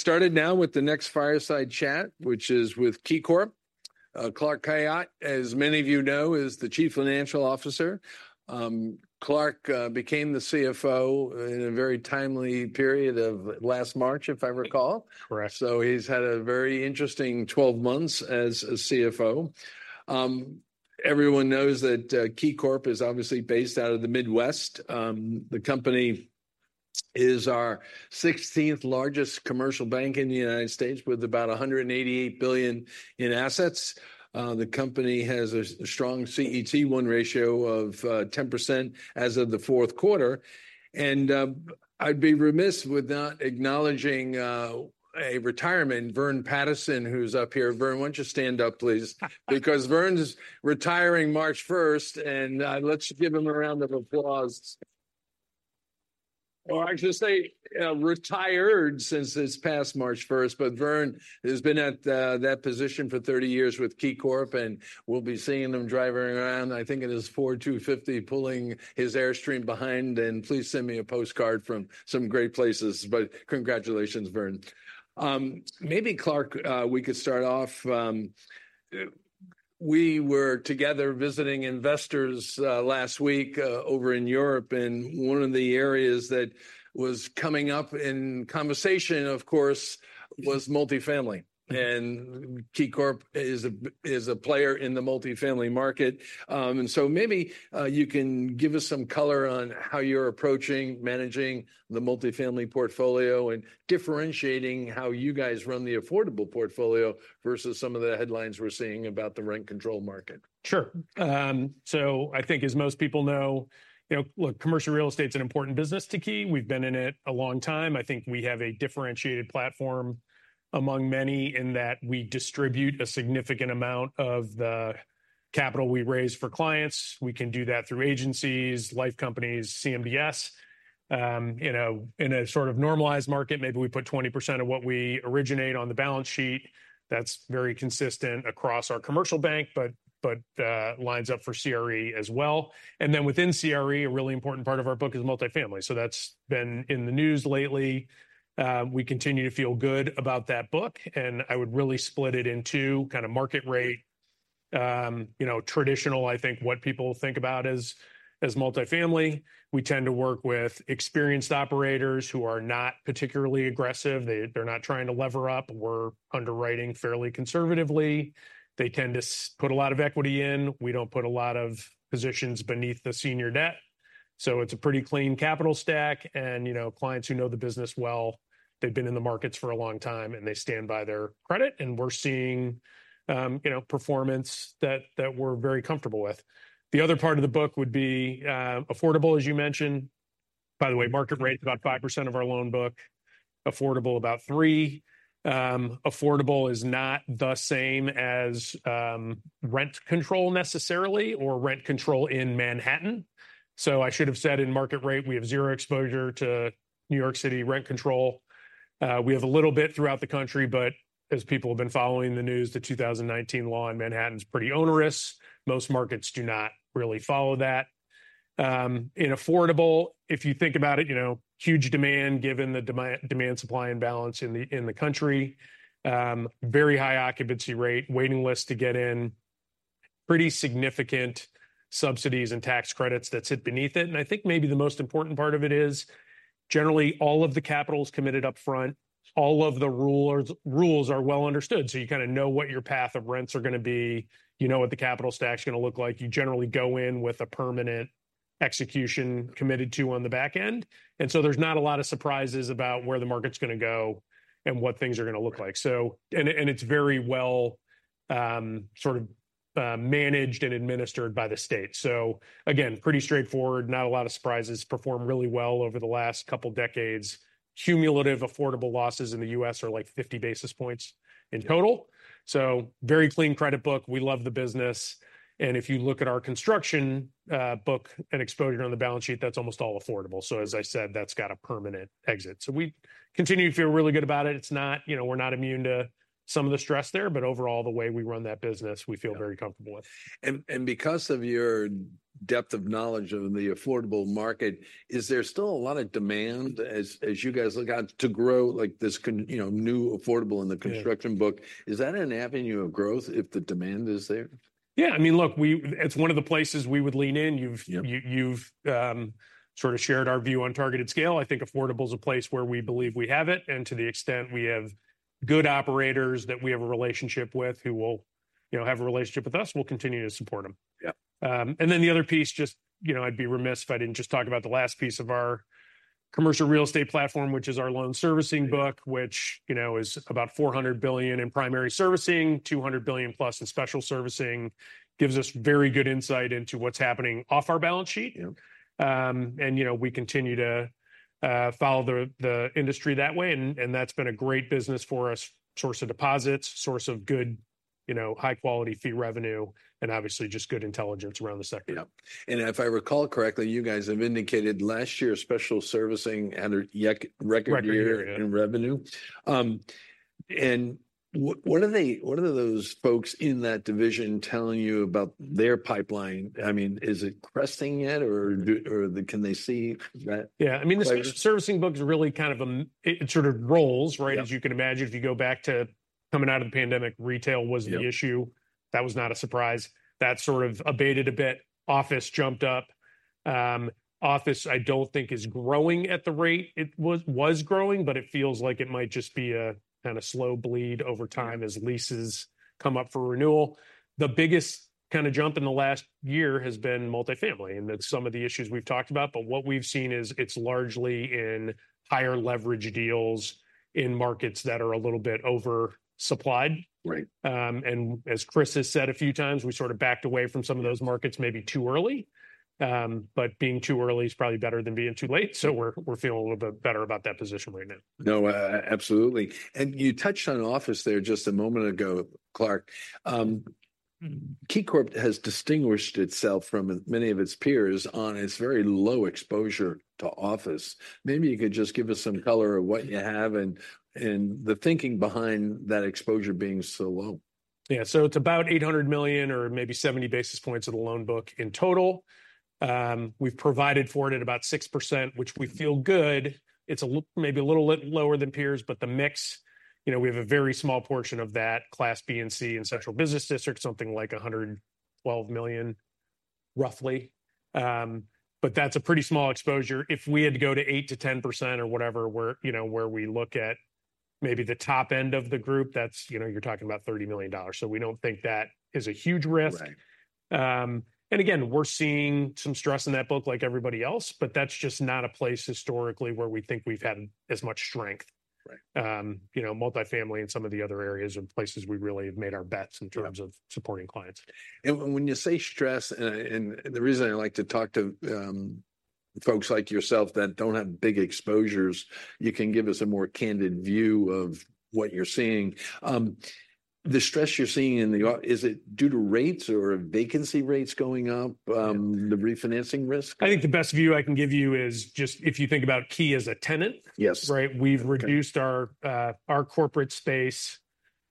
Starting now with the next fireside chat, which is with KeyCorp. Clark Khayat, as many of you know, is the Chief Financial Officer. Clark became the CFO in a very timely period of last March, if I recall. Correct. So he's had a very interesting 12 months as a CFO. Everyone knows that, KeyCorp is obviously based out of the Midwest. The company is our 16th largest commercial bank in the United States, with about $188 billion in assets. The company has a strong CET1 ratio of 10% as of the fourth quarter. I'd be remiss without acknowledging a retirement, Vernon Patterson, who's up here. Vernon, why don't you stand up, please? Because Vernon's retiring March 1st, and let's give him a round of applause. Well, I should say, retired since this past March 1st, but Vernon has been at that position for 30 years with KeyCorp, and we'll be seeing him driving around. I think it is an F-250, pulling his Airstream behind, and please send me a postcard from some great places. But congratulations, Vernon. Maybe, Clark, we could start off. We were together visiting investors last week over in Europe, and one of the areas that was coming up in conversation, of course, was multifamily. And KeyCorp is a player in the multifamily market. And so maybe you can give us some color on how you're approaching managing the multifamily portfolio and differentiating how you guys run the affordable portfolio versus some of the headlines we're seeing about the rent control market. Sure. So I think, as most people know, you know, look, commercial real estate's an important business to Key. We've been in it a long time. I think we have a differentiated platform among many in that we distribute a significant amount of the capital we raise for clients. We can do that through agencies, life companies, CMBS. You know, in a sort of normalized market, maybe we put 20% of what we originate on the balance sheet. That's very consistent across our commercial bank, but lines up for CRE as well. And then within CRE, a really important part of our book is multifamily. So that's been in the news lately. We continue to feel good about that book, and I would really split it into kind of market rate, you know, traditional, I think, what people think about as multifamily. We tend to work with experienced operators who are not particularly aggressive. They're not trying to lever up. We're underwriting fairly conservatively. They tend to put a lot of equity in. We don't put a lot of positions beneath the senior debt. So it's a pretty clean capital stack. And, you know, clients who know the business well, they've been in the markets for a long time, and they stand by their credit. And we're seeing, you know, performance that we're very comfortable with. The other part of the book would be affordable, as you mentioned. By the way, market rate's about 5% of our loan book. Affordable, about 3%. Affordable is not the same as rent control necessarily, or rent control in Manhattan. So I should have said in market rate, we have zero exposure to New York City rent control. We have a little bit throughout the country, but as people have been following the news, the 2019 law in Manhattan's pretty onerous. Most markets do not really follow that. In affordable, if you think about it, you know, huge demand given the demand supply imbalance in the in the country, very high occupancy rate, waiting list to get in, pretty significant subsidies and tax credits that sit beneath it. And I think maybe the most important part of it is generally all of the capital's committed upfront. All of the rules are well understood, so you kind of know what your path of rents are going to be. You know what the capital stack's going to look like. You generally go in with a permanent execution committed to on the back end. And so there's not a lot of surprises about where the market's going to go and what things are going to look like. So and it's very well, sort of, managed and administered by the state. So again, pretty straightforward, not a lot of surprises, performed really well over the last couple decades. Cumulative affordable losses in the U.S. are like 50 basis points in total. So very clean credit book. We love the business. And if you look at our construction, book and exposure on the balance sheet, that's almost all affordable. So as I said, that's got a permanent exit. So we continue to feel really good about it. It's not, you know, we're not immune to some of the stress there. But overall, the way we run that business, we feel very comfortable with. Because of your depth of knowledge of the affordable market, is there still a lot of demand as you guys look out to grow, like, you know, new affordable in the construction book? Is that an avenue of growth if the demand is there? Yeah. I mean, look, we it's one of the places we would lean in. You've, you've, sort of shared our view on targeted scale. I think affordable's a place where we believe we have it. And to the extent we have good operators that we have a relationship with who will, you know, have a relationship with us, we'll continue to support them. Yeah. And then the other piece, just, you know, I'd be remiss if I didn't just talk about the last piece of our commercial real estate platform, which is our loan servicing book, which, you know, is about $400 billion in primary servicing, $200 billion plus in special servicing, gives us very good insight into what's happening off our balance sheet. And, you know, we continue to follow the industry that way. And that's been a great business for us, source of deposits, source of good, you know, high-quality fee revenue, and obviously just good intelligence around the sector. Yeah. If I recall correctly, you guys have indicated last year Special Servicing had a record year in revenue. And what are those folks in that division telling you about their pipeline? I mean, is it cresting yet or can they see that? Yeah. I mean, the Special Servicing book is really kind of a it sort of rolls, right? As you can imagine, if you go back to coming out of the pandemic, retail was the issue. That was not a surprise. That sort of abated a bit. Office jumped up. Office, I don't think, is growing at the rate it was growing, but it feels like it might just be a kind of slow bleed over time as leases come up for renewal. The biggest kind of jump in the last year has been Multifamily and that's some of the issues we've talked about. But what we've seen is it's largely in higher leverage deals in markets that are a little bit oversupplied. Right. And as Chris has said a few times, we sort of backed away from some of those markets maybe too early. But being too early is probably better than being too late. So we're feeling a little bit better about that position right now. No, absolutely. And you touched on office there just a moment ago, Clark. KeyCorp has distinguished itself from many of its peers on its very low exposure to office. Maybe you could just give us some color on what you have and the thinking behind that exposure being so low. Yeah. So it's about $800 million or maybe 70 basis points of the loan book in total. We've provided for it at about 6%, which we feel good. It's maybe a little lower than peers, but the mix, you know, we have a very small portion of that, Class B and C in Central Business District, something like $112 million, roughly. But that's a pretty small exposure. If we had to go to 8%-10% or whatever, where, you know, we look at maybe the top end of the group, that's, you know, you're talking about $30 million. So we don't think that is a huge risk. Right. And again, we're seeing some stress in that book like everybody else, but that's just not a place historically where we think we've had as much strength. Right. You know, Multifamily and some of the other areas and places we really have made our bets in terms of supporting clients. When you say stress, and the reason I like to talk to, folks like yourself that don't have big exposures, you can give us a more candid view of what you're seeing. The stress you're seeing in the, is it due to rates or vacancy rates going up? The refinancing risk? I think the best view I can give you is just if you think about Key as a tenant. Yes. Right. We've reduced our corporate space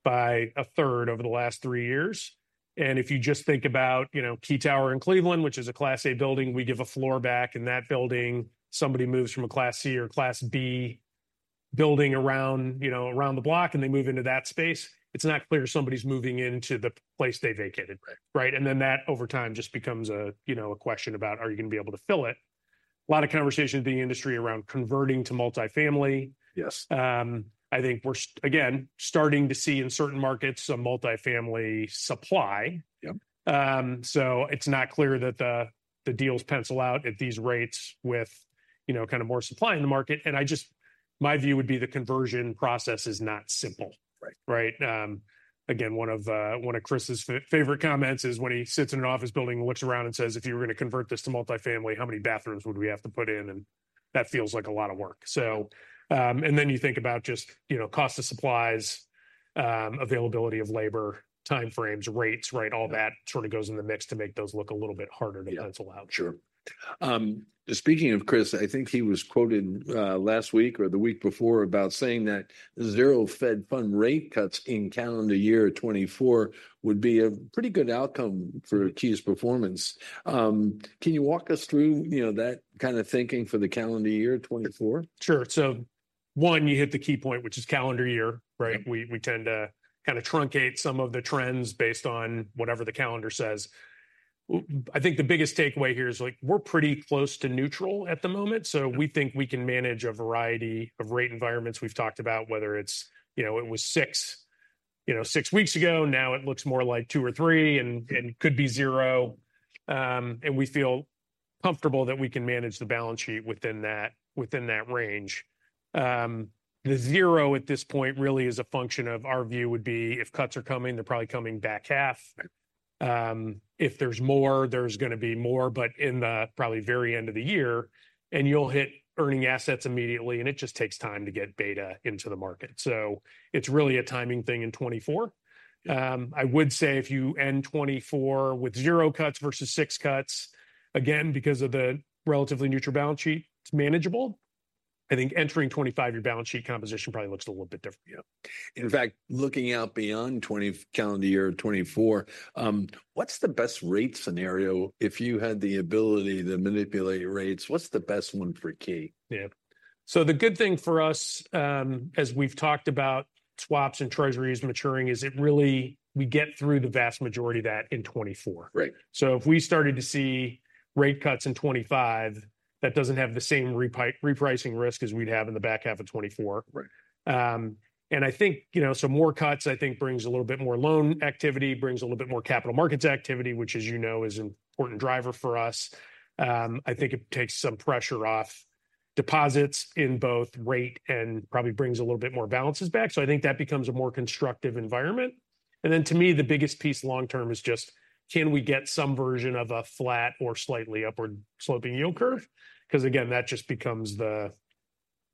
by a third over the last three years. And if you just think about, you know, Key Tower in Cleveland, which is a Class A building, we give a floor back in that building. Somebody moves from a Class C or Class B building around, you know, around the block and they move into that space. It's not clear somebody's moving into the place they vacated. Right. Right. And then that over time just becomes a, you know, a question about are you going to be able to fill it? A lot of conversations in the industry around converting to multifamily. Yes. I think we're, again, starting to see in certain markets a multifamily supply. Yeah. So it's not clear that the deals pencil out at these rates with, you know, kind of more supply in the market. And I just my view would be the conversion process is not simple. Right. Right. Again, one of Chris's favorite comments is when he sits in an office building and looks around and says, if you were going to convert this to multifamily, how many bathrooms would we have to put in? And that feels like a lot of work. So, and then you think about just, you know, cost of supplies, availability of labor, time frames, rates, right? All that sort of goes in the mix to make those look a little bit harder to pencil out. Sure. Speaking of Chris, I think he was quoted last week or the week before about saying that zero Fed funds rate cuts in calendar year 2024 would be a pretty good outcome for Key's performance. Can you walk us through, you know, that kind of thinking for the calendar year 2024? Sure. So one, you hit the key point, which is calendar year. Right. We tend to kind of truncate some of the trends based on whatever the calendar says. I think the biggest takeaway here is like we're pretty close to neutral at the moment. So we think we can manage a variety of rate environments we've talked about, whether it's, you know, it was six, you know, six weeks ago. Now it looks more like two or three and could be zero. And we feel comfortable that we can manage the balance sheet within that within that range. The zero at this point really is a function of our view would be if cuts are coming, they're probably coming back half. If there's more, there's going to be more, but in the probably very end of the year and you'll hit earning assets immediately and it just takes time to get beta into the market. So it's really a timing thing in 2024. I would say if you end 2024 with zero cuts versus six cuts, again, because of the relatively neutral balance sheet, it's manageable. I think entering 2025, your balance sheet composition probably looks a little bit different. Yeah. In fact, looking out beyond 2020, calendar year 2024, what's the best rate scenario? If you had the ability to manipulate rates, what's the best one for Key? Yeah. So the good thing for us, as we've talked about swaps and treasuries maturing, is it really we get through the vast majority of that in 2024. Right. So if we started to see rate cuts in 2025, that doesn't have the same repricing risk as we'd have in the back half of 2024. Right. And I think, you know, so more cuts, I think, brings a little bit more loan activity, brings a little bit more capital markets activity, which, as you know, is an important driver for us. I think it takes some pressure off deposits in both rate and probably brings a little bit more balances back. So I think that becomes a more constructive environment. And then to me, the biggest piece long term is just can we get some version of a flat or slightly upward sloping yield curve? Because again, that just becomes the,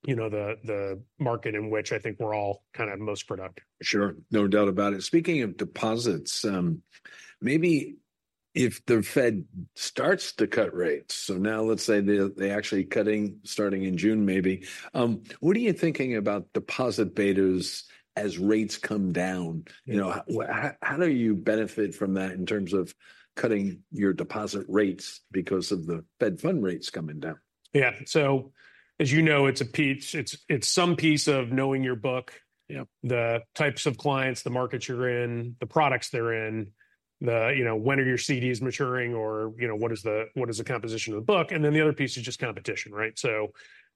you know, the market in which I think we're all kind of most productive. Sure. No doubt about it. Speaking of deposits, maybe if the Fed starts to cut rates, so now let's say they're actually cutting starting in June, maybe, what are you thinking about deposit betas as rates come down? You know, how do you benefit from that in terms of cutting your deposit rates because of the Fed fund rates coming down? Yeah. So as you know, it's a piece. It's some piece of knowing your book, the types of clients, the markets you're in, the products they're in, the, you know, when are your CDs maturing or, you know, what is the composition of the book? And then the other piece is just competition. Right. So,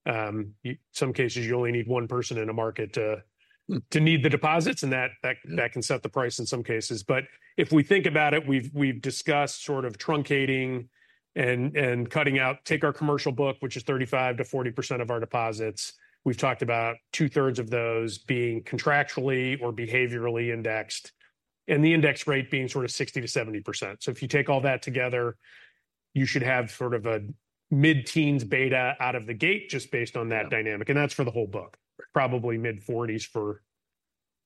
in some cases, you only need one person in a market to need the deposits. And that can set the price in some cases. But if we think about it, we've discussed sort of truncating and cutting out, take our commercial book, which is 35%-40% of our deposits. We've talked about 2/3 of those being contractually or behaviorally indexed and the index rate being sort of 60%-70%. So if you take all that together, you should have sort of a mid-teens beta out of the gate just based on that dynamic. And that's for the whole book, probably mid-forties for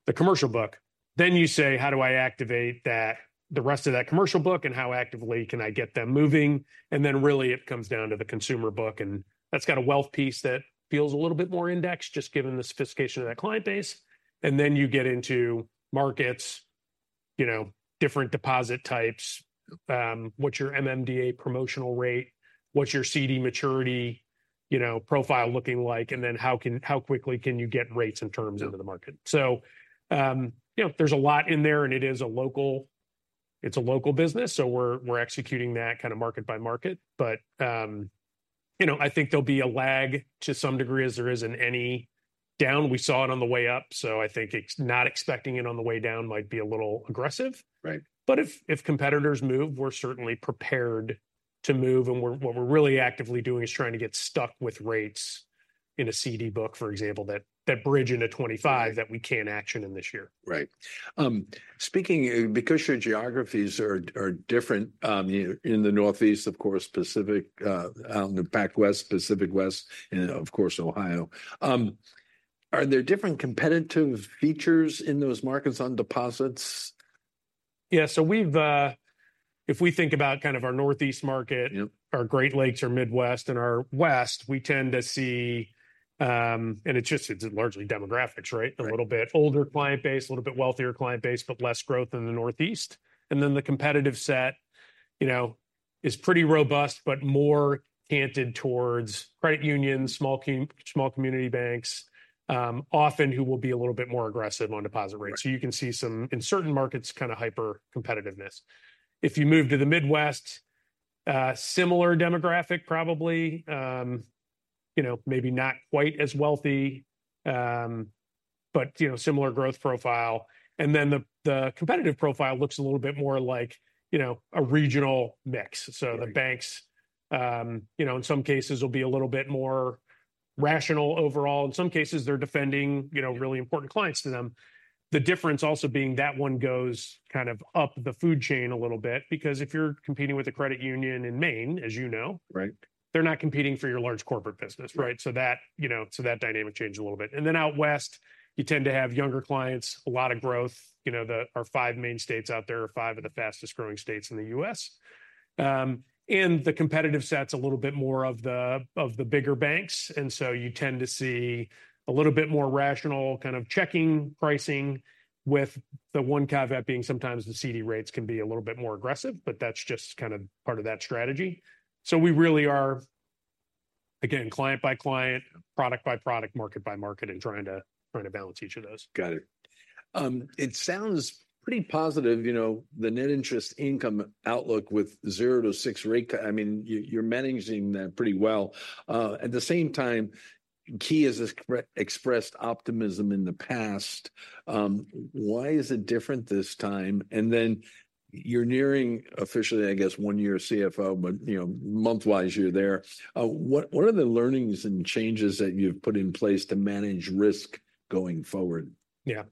the commercial book. Then you say, how do I activate that, the rest of that commercial book and how actively can I get them moving? And then really it comes down to the consumer book. And that's got a wealth piece that feels a little bit more indexed just given the sophistication of that client base. And then you get into markets, you know, different deposit types, what's your MMDA promotional rate, what's your CD maturity, you know, profile looking like, and then how quickly can you get rates and terms into the market? So, you know, there's a lot in there and it is a local business. So we're executing that kind of market by market. But, you know, I think there'll be a lag to some degree as there is in any down. We saw it on the way up. So I think it's not expecting it on the way down might be a little aggressive. Right. But if competitors move, we're certainly prepared to move. And what we're really actively doing is trying to get stuck with rates in a CD book, for example, that bridge into 2025 that we can't action in this year. Right. Speaking because your geographies are different, you know, in the Northeast, of course, Pacific, out in the Pacific West, and of course, Ohio. Are there different competitive features in those markets on deposits? Yeah. So we've, if we think about kind of our Northeast market, our Great Lakes, our Midwest and our West, we tend to see, and it's just, it's largely demographics, right? A little bit older client base, a little bit wealthier client base, but less growth in the Northeast. And then the competitive set, you know, is pretty robust, but more canted towards credit unions, small, small community banks, often who will be a little bit more aggressive on deposit rates. So you can see some in certain markets kind of hyper competitiveness. If you move to the Midwest, similar demographic, probably, you know, maybe not quite as wealthy, but, you know, similar growth profile. And then the competitive profile looks a little bit more like, you know, a regional mix. So the banks, you know, in some cases will be a little bit more rational overall. In some cases, they're defending, you know, really important clients to them. The difference also being that one goes kind of up the food chain a little bit because if you're competing with a credit union in Maine, as you know, right, they're not competing for your large corporate business. Right. So that, you know, so that dynamic changed a little bit. And then out West, you tend to have younger clients, a lot of growth. You know, the our five main states out there are five of the fastest growing states in the U.S. And the competitive sets a little bit more of the of the bigger banks. And so you tend to see a little bit more rational kind of checking pricing with the one caveat being sometimes the CD rates can be a little bit more aggressive, but that's just kind of part of that strategy. So we really are, again, client by client, product by product, market by market, and trying to balance each of those. Got it. It sounds pretty positive. You know, the net interest income outlook with 0-6 rate. I mean, you're managing that pretty well. At the same time, Key has expressed optimism in the past. Why is it different this time? And then you're nearing officially, I guess, one year CFO, but, you know, monthwise you're there. What are the learnings and changes that you've put in place to manage risk going forward? Yeah.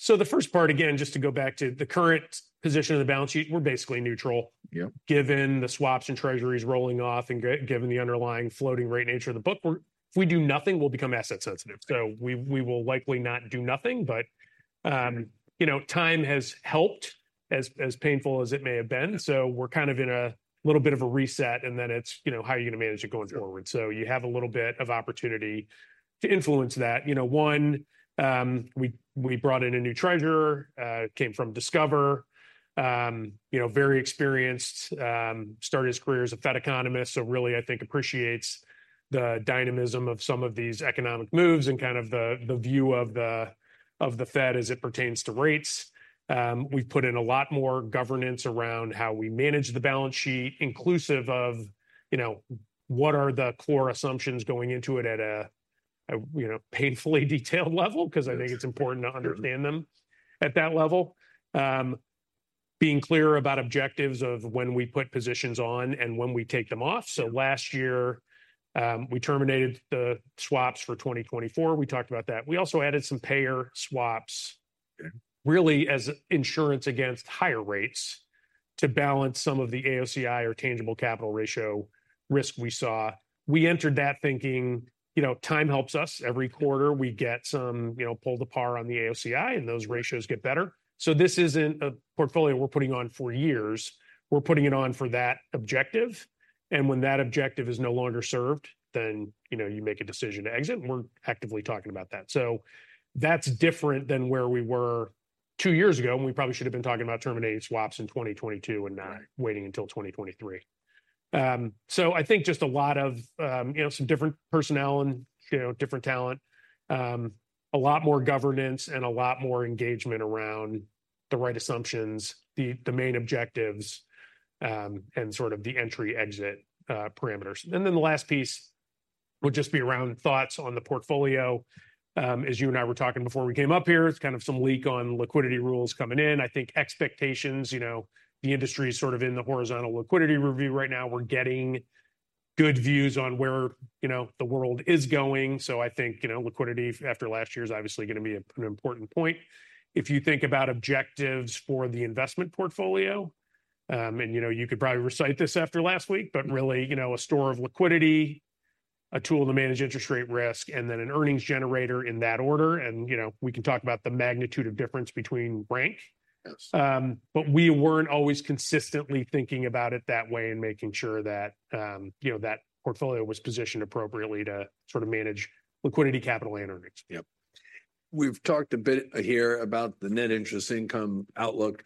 So the first part, again, just to go back to the current position of the balance sheet, we're basically neutral. Yeah. Given the swaps and treasuries rolling off and given the underlying floating rate nature of the book, we're, if we do nothing, we'll become asset sensitive. So we will likely not do nothing. But, you know, time has helped as painful as it may have been. So we're kind of in a little bit of a reset. And then it's, you know, how are you going to manage it going forward? So you have a little bit of opportunity to influence that. You know, one, we brought in a new treasurer, came from Discover, you know, very experienced, started his career as a Fed economist. So really, I think appreciates the dynamism of some of these economic moves and kind of the view of the Fed as it pertains to rates. We've put in a lot more governance around how we manage the balance sheet, inclusive of, you know, what are the core assumptions going into it at a, you know, painfully detailed level? Because I think it's important to understand them at that level. Being clear about objectives of when we put positions on and when we take them off. So last year, we terminated the swaps for 2024. We talked about that. We also added some payer swaps, really as insurance against higher rates to balance some of the AOCI or tangible capital ratio risk we saw. We entered that thinking, you know, time helps us. Every quarter we get some, you know, pull the par on the AOCI and those ratios get better. So this isn't a portfolio we're putting on for years. We're putting it on for that objective. And when that objective is no longer served, then, you know, you make a decision to exit. And we're actively talking about that. So that's different than where we were two years ago. And we probably should have been talking about terminating swaps in 2022 and not waiting until 2023. So I think just a lot of, you know, some different personnel and, you know, different talent, a lot more governance and a lot more engagement around the right assumptions, the main objectives, and sort of the entry-exit parameters. And then the last piece would just be around thoughts on the portfolio. As you and I were talking before we came up here, it's kind of some leak on liquidity rules coming in. I think expectations, you know, the industry is sort of in the horizontal liquidity review right now. We're getting good views on where, you know, the world is going. So I think, you know, liquidity after last year is obviously going to be an important point. If you think about objectives for the investment portfolio, and, you know, you could probably recite this after last week, but really, you know, a store of liquidity, a tool to manage interest rate risk, and then an earnings generator in that order. And, you know, we can talk about the magnitude of difference between rank. But we weren't always consistently thinking about it that way and making sure that, you know, that portfolio was positioned appropriately to sort of manage liquidity, capital and earnings. Yep. We've talked a bit here about the Net Interest Income outlook.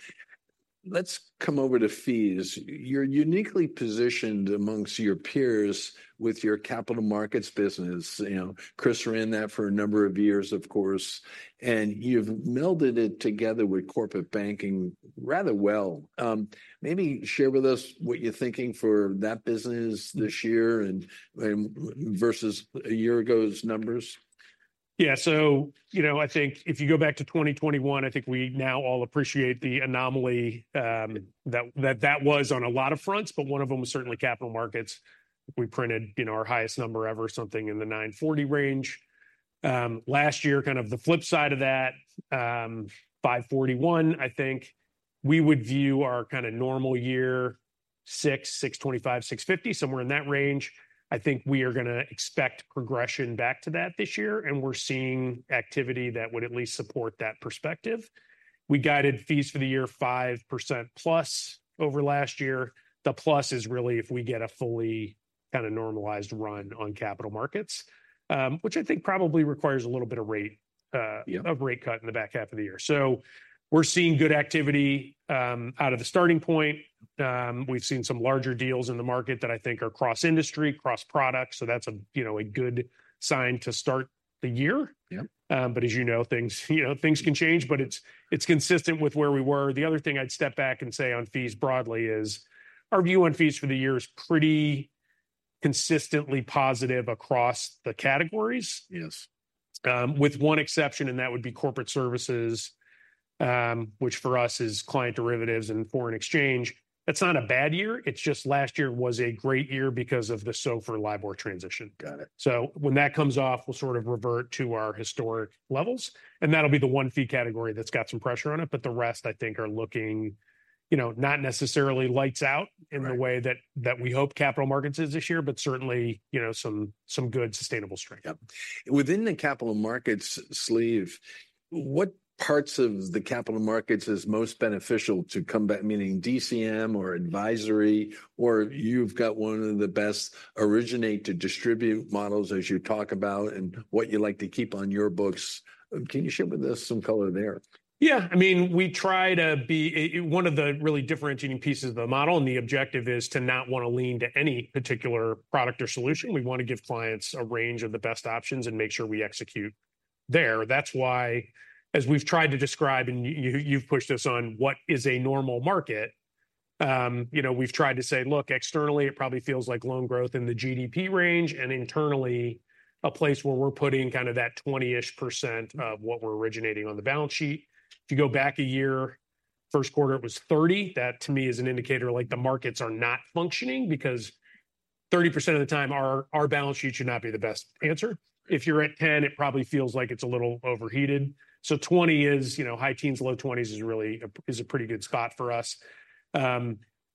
Let's come over to fees. You're uniquely positioned amongst your peers with your Capital Markets business. You know, Chris, we're in that for a number of years, of course, and you've melded it together with corporate banking rather well. Maybe share with us what you're thinking for that business this year and versus a year ago's numbers. Yeah. So, you know, I think if you go back to 2021, I think we now all appreciate the anomaly, that that that was on a lot of fronts, but one of them was certainly Capital Markets. We printed, you know, our highest number ever, something in the $940 million range. Last year, kind of the flip side of that, $541 million, I think we would view our kind of normal year $600 million, $625 million, $650 million, somewhere in that range. I think we are going to expect progression back to that this year. And we're seeing activity that would at least support that perspective. We guided fees for the year 5%+ over last year. The plus is really if we get a fully kind of normalized run on Capital Markets, which I think probably requires a little bit of rate, of rate cut in the back half of the year. So we're seeing good activity out of the starting point. We've seen some larger deals in the market that I think are cross-industry, cross-product. So that's a, you know, a good sign to start the year. Yeah. But as you know, things, you know, things can change, but it's it's consistent with where we were. The other thing I'd step back and say on fees broadly is our view on fees for the year is pretty consistently positive across the categories. Yes. With one exception, and that would be corporate services, which for us is client derivatives and foreign exchange. That's not a bad year. It's just last year was a great year because of the SOFR/LIBOR transition. Got it. So when that comes off, we'll sort of revert to our historic levels. And that'll be the one fee category that's got some pressure on it. But the rest, I think, are looking, you know, not necessarily lights out in the way that we hope Capital Markets is this year, but certainly, you know, some good sustainable strength. Yep. Within the capital markets sleeve, what parts of the capital markets is most beneficial to come back, meaning DCM or advisory, or you've got one of the best originate to distribute models as you talk about and what you like to keep on your books. Can you share with us some color there? Yeah. I mean, we try to be one of the really differentiating pieces of the model. The objective is to not want to lean to any particular product or solution. We want to give clients a range of the best options and make sure we execute there. That's why, as we've tried to describe, and you've pushed us on what is a normal market, you know, we've tried to say, look, externally it probably feels like loan growth in the GDP range and internally a place where we're putting kind of that 20% of what we're originating on the balance sheet. If you go back a year, first quarter it was 30. That to me is an indicator like the markets are not functioning because 30% of the time our balance sheet should not be the best answer. If you're at 10, it probably feels like it's a little overheated. So 20 is, you know, high teens, low twenties is really a pretty good spot for us.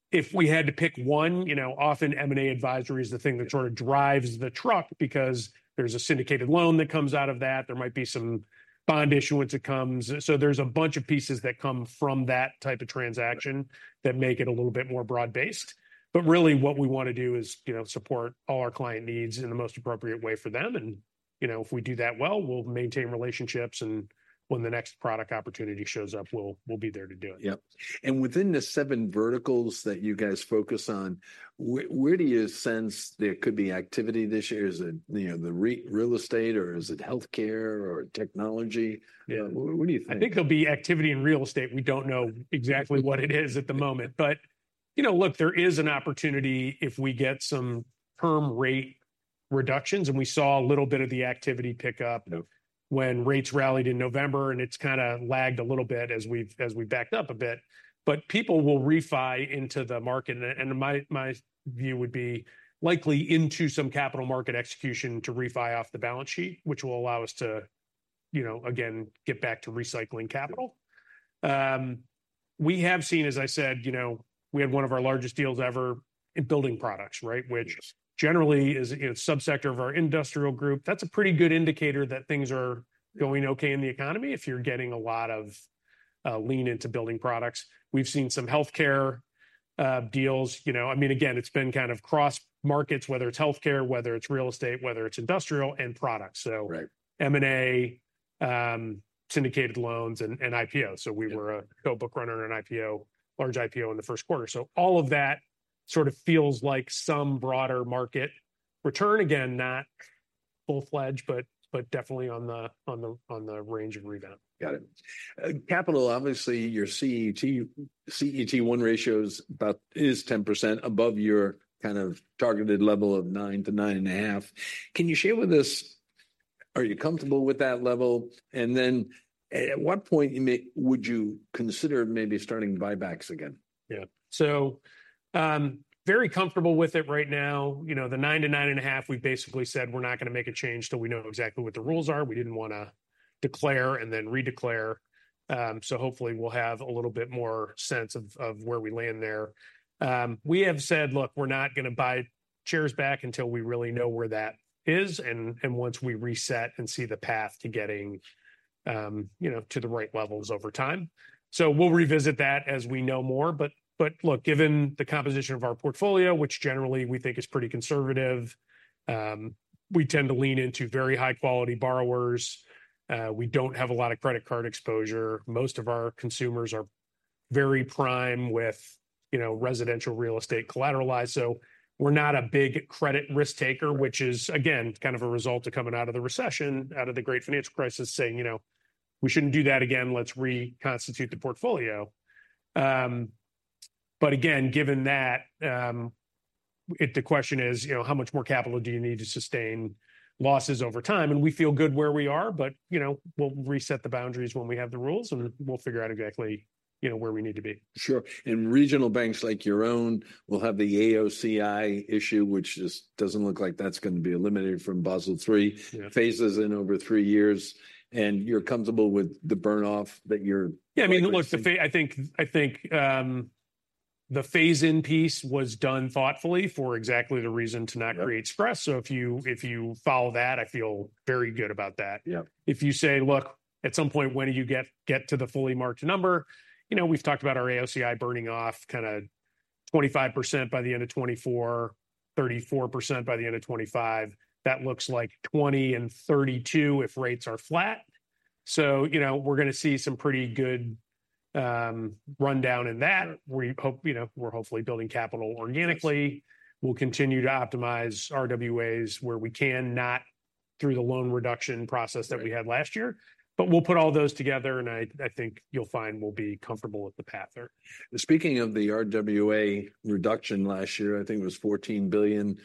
If we had to pick one, you know, often M&A advisory is the thing that sort of drives the truck because there's a syndicated loan that comes out of that. There might be some bond issue when it comes. So there's a bunch of pieces that come from that type of transaction that make it a little bit more broad-based. But really what we want to do is, you know, support all our client needs in the most appropriate way for them. And, you know, if we do that well, we'll maintain relationships. And when the next product opportunity shows up, we'll be there to do it. Yep. And within the seven verticals that you guys focus on, where do you sense there could be activity this year? Is it, you know, the real estate or is it healthcare or technology? What do you think? I think there'll be activity in real estate. We don't know exactly what it is at the moment, but, you know, look, there is an opportunity if we get some term rate reductions. And we saw a little bit of the activity pick up when rates rallied in November and it's kind of lagged a little bit as we've backed up a bit. But people will refi into the market. And my view would be likely into some capital market execution to refi off the balance sheet, which will allow us to, you know, again, get back to recycling capital. We have seen, as I said, you know, we had one of our largest deals ever in building products, right? Which generally is, you know, a subsector of our industrial group. That's a pretty good indicator that things are going okay in the economy. If you're getting a lot of lean into building products, we've seen some healthcare deals. You know, I mean, again, it's been kind of cross markets, whether it's healthcare, whether it's real estate, whether it's industrial and products. So M&A, syndicated loans and IPO. So we were a co-bookrunner in an IPO, large IPO in the first quarter. So all of that sort of feels like some broader market return. Again, not full fledged, but definitely on the range of rebound. Got it. Capital, obviously your CET1 ratio is about 10% above your kind of targeted level of 9%-9.5%. Can you share with us, are you comfortable with that level? And then at what point would you consider maybe starting buybacks again? Yeah. So, very comfortable with it right now. You know, the 9-9.5, we've basically said we're not going to make a change till we know exactly what the rules are. We didn't want to declare and then redeclare. So hopefully we'll have a little bit more sense of where we land there. We have said, look, we're not going to buy shares back until we really know where that is. And once we reset and see the path to getting, you know, to the right levels over time. So we'll revisit that as we know more. But look, given the composition of our portfolio, which generally we think is pretty conservative, we tend to lean into very high quality borrowers. We don't have a lot of credit card exposure. Most of our consumers are very prime with, you know, residential real estate collateralized. So we're not a big credit risk taker, which is, again, kind of a result of coming out of the recession, out of the Great Financial Crisis, saying, you know, we shouldn't do that again. Let's reconstitute the portfolio. But again, given that, the question is, you know, how much more capital do you need to sustain losses over time? And we feel good where we are, but, you know, we'll reset the boundaries when we have the rules and we'll figure out exactly, you know, where we need to be. Sure. And regional banks like your own will have the AOCI issue, which just doesn't look like that's going to be eliminated from Basel III phases in over three years. And you're comfortable with the burn off that you're. Yeah. I mean, look, the phase in piece was done thoughtfully for exactly the reason to not create stress. So if you follow that, I feel very good about that. Yeah. If you say, look, at some point, when do you get to the fully marked number? You know, we've talked about our AOCI burning off kind of 25% by the end of 2024, 34% by the end of 2025. That looks like 20 and 32 if rates are flat. So, you know, we're going to see some pretty good rundown in that. We hope, you know, we're hopefully building capital organically. We'll continue to optimize RWAs where we can, not through the loan reduction process that we had last year, but we'll put all those together. And I think you'll find we'll be comfortable with the path there. Speaking of the RWA reduction last year, I think it was $14 billion,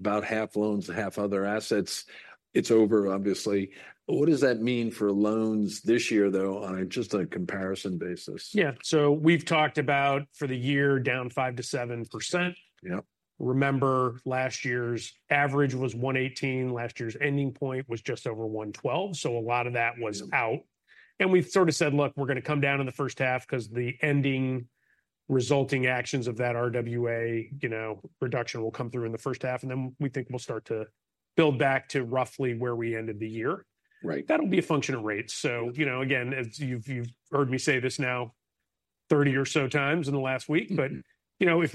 about half loans, half other assets. It's over, obviously. What does that mean for loans this year, though, on just a comparison basis? Yeah. So we've talked about for the year down 5%-7%. Yeah. Remember last year's average was 118. Last year's ending point was just over 112. So a lot of that was out. And we've sort of said, look, we're going to come down in the first half because the ending resulting actions of that RWA, you know, reduction will come through in the first half. And then we think we'll start to build back to roughly where we ended the year. Right. That'll be a function of rates. So, you know, again, as you've heard me say this now 30 or so times in the last week, but, you know, if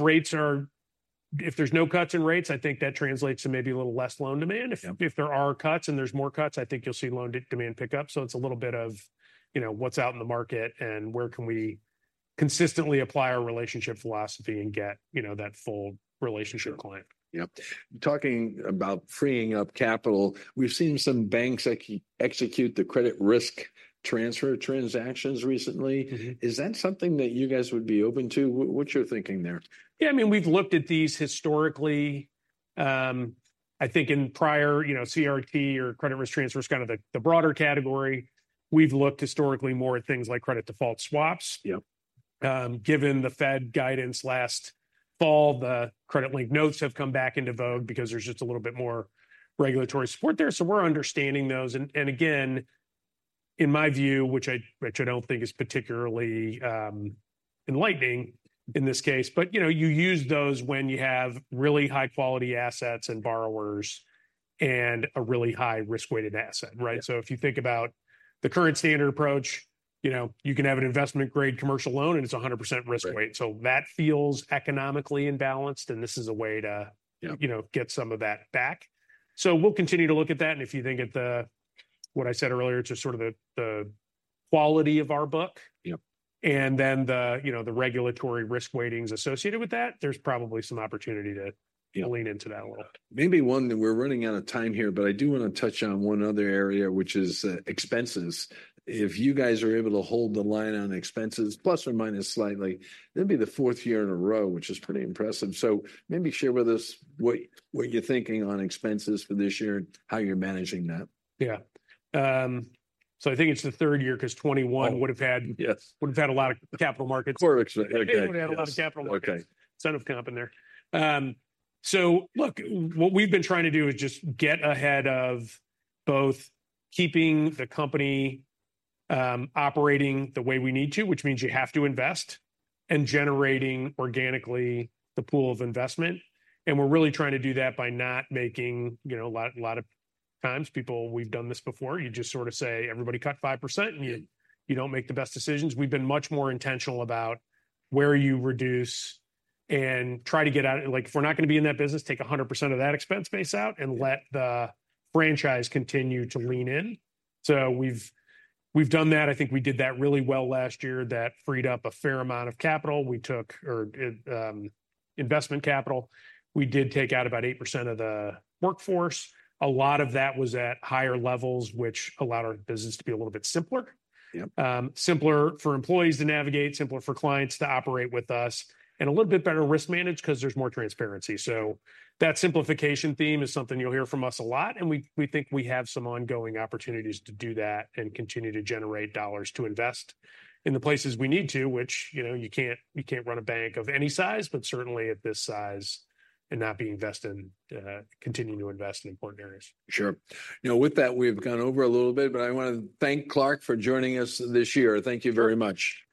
there's no cuts in rates, I think that translates to maybe a little less loan demand. If there are cuts and there's more cuts, I think you'll see loan demand pick up. It's a little bit of, you know, what's out in the market and where can we consistently apply our relationship philosophy and get, you know, that full relationship client? Yep. Talking about freeing up capital, we've seen some banks execute the credit risk transfer transactions recently. Is that something that you guys would be open to? What's your thinking there? Yeah. I mean, we've looked at these historically. I think in prior, you know, CRT or credit risk transfer is kind of the broader category. We've looked historically more at things like credit default swaps. Yep. Given the Fed guidance last fall, the credit-linked notes have come back into vogue because there's just a little bit more regulatory support there. So we're understanding those. And again, in my view, which I don't think is particularly enlightening in this case, but, you know, you use those when you have really high-quality assets and borrowers and a really high risk-weighted asset. Right. So if you think about the current standard approach, you know, you can have an investment-grade commercial loan and it's 100% risk weight. So that feels economically imbalanced. And this is a way to, you know, get some of that back. So we'll continue to look at that. And if you think at the what I said earlier, it's just sort of the quality of our book. Yep. And then the, you know, the regulatory risk weightings associated with that, there's probably some opportunity to lean into that a little. Maybe one that we're running out of time here, but I do want to touch on one other area, which is expenses. If you guys are able to hold the line on expenses plus or minus slightly, that'd be the fourth year in a row, which is pretty impressive. So maybe share with us what you're thinking on expenses for this year and how you're managing that. Yeah. So I think it's the third year because 2021 would have had a lot of Capital Markets. Correct. Would have had a lot of capital markets. Some comp in there. So look, what we've been trying to do is just get ahead of both keeping the company operating the way we need to, which means you have to invest and generating organically the pool of investment. And we're really trying to do that by not making, you know, a lot of times people, we've done this before, you just sort of say everybody cut 5% and you don't make the best decisions. We've been much more intentional about where you reduce and try to get out of it. Like if we're not going to be in that business, take 100% of that expense base out and let the franchise continue to lean in. So we've done that. I think we did that really well last year that freed up a fair amount of capital. We took investment capital. We did take out about 8% of the workforce. A lot of that was at higher levels, which allowed our business to be a little bit simpler. Yep. Simpler for employees to navigate, simpler for clients to operate with us, and a little bit better risk management because there's more transparency. So that simplification theme is something you'll hear from us a lot. And we think we have some ongoing opportunities to do that and continue to generate dollars to invest in the places we need to, which, you know, you can't run a bank of any size, but certainly at this size and not be invested in, continue to invest in important areas. Sure. Now, with that, we've gone over a little bit, but I want to thank Clark for joining us this year. Thank you very much.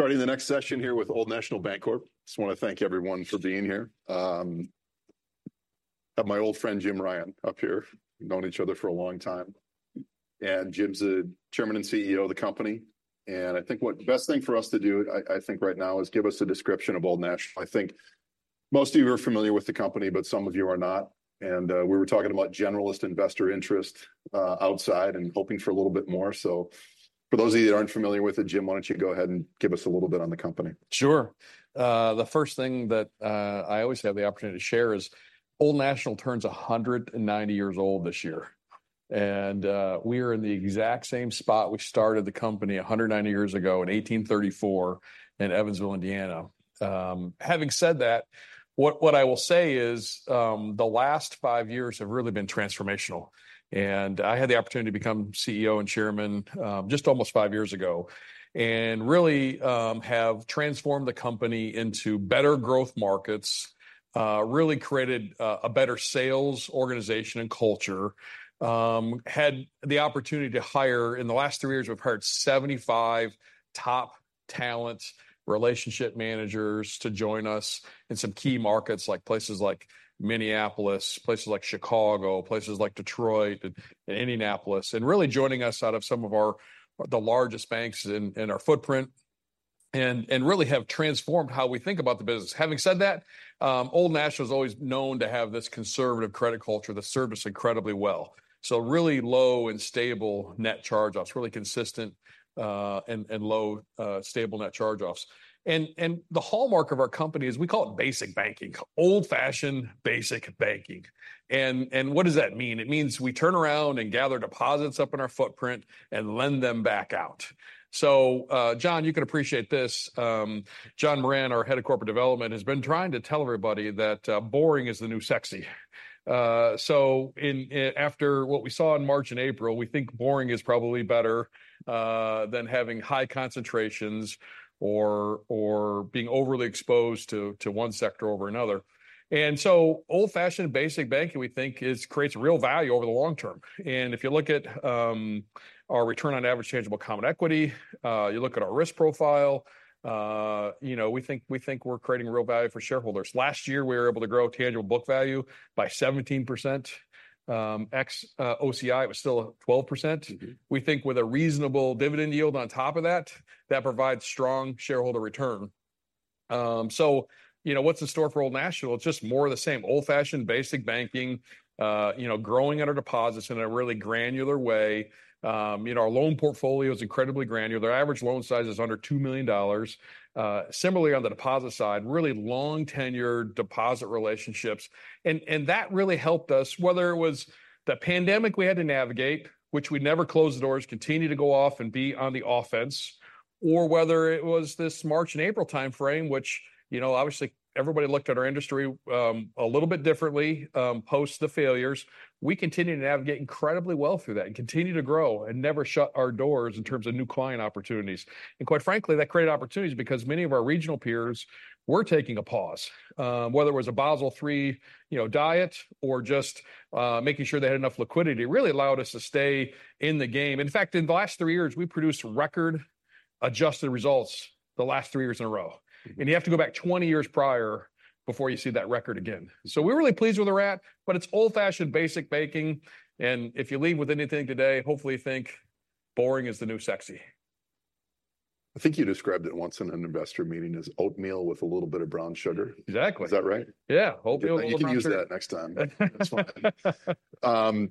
Starting the next session here with Old National Bancorp, I just want to thank everyone for being here. I have my old friend Jim Ryan up here. We've known each other for a long time. Jim's the Chairman and CEO of the company. I think the best thing for us to do, I think right now, is give us a description of Old National. I think most of you are familiar with the company, but some of you are not. We were talking about generalist investor interest outside and hoping for a little bit more. So for those of you that aren't familiar with it, Jim, why don't you go ahead and give us a little bit on the company? Sure. The first thing that I always have the opportunity to share is Old National turns 190 years old this year. We are in the exact same spot. We started the company 190 years ago in 1834 in Evansville, Indiana. Having said that, what I will say is the last five years have really been transformational. And I had the opportunity to become CEO and Chairman just almost five years ago and really have transformed the company into better growth markets, really created a better sales organization and culture, had the opportunity to hire in the last three years; we've hired 75 top talent relationship managers to join us in some key markets like places like Minneapolis, places like Chicago, places like Detroit and Indianapolis, and really joining us out of some of our largest banks in our footprint and really have transformed how we think about the business. Having said that, Old National is always known to have this conservative credit culture that serves us incredibly well. So really low and stable net charge-offs, really consistent and low, stable net charge-offs. And the hallmark of our company is we call it basic banking, old-fashioned basic banking. And what does that mean? It means we turn around and gather deposits up in our footprint and lend them back out. So John, you can appreciate this. John Moran, our head of corporate development, has been trying to tell everybody that boring is the new sexy. So after what we saw in March and April, we think boring is probably better than having high concentrations or being overly exposed to one sector over another. And so old-fashioned basic banking, we think, creates real value over the long term. And if you look at our Return on Average Tangible Common Equity, you look at our risk profile, you know we think we're creating real value for shareholders. Last year, we were able to grow Tangible Book Value by 17%. Ex-OCI, it was still 12%. We think with a reasonable dividend yield on top of that, that provides strong shareholder return. So you know what's in store for Old National? It's just more of the same, old-fashioned basic banking, you know growing at our deposits in a really granular way. You know our loan portfolio is incredibly granular. Our average loan size is under $2 million. Similarly, on the deposit side, really long-tenured deposit relationships. And that really helped us, whether it was the pandemic we had to navigate, which we'd never close the doors, continue to go off and be on the offense, or whether it was this March and April timeframe, which you know obviously everybody looked at our industry a little bit differently post the failures. We continued to navigate incredibly well through that and continue to grow and never shut our doors in terms of new client opportunities. Quite frankly, that created opportunities because many of our regional peers were taking a pause, whether it was a Basel III diet or just making sure they had enough liquidity. It really allowed us to stay in the game. In fact, in the last 3 years, we produced record adjusted results the last 3 years in a row. You have to go back 20 years prior before you see that record again. We're really pleased where we're at, but it's old-fashioned basic banking. If you leave with anything today, hopefully you think boring is the new sexy. I think you described it once in an investor meeting as oatmeal with a little bit of brown sugar. Exactly. Is that right? Yeah. Oatmeal with brown sugar. You can use that next time. That's fine.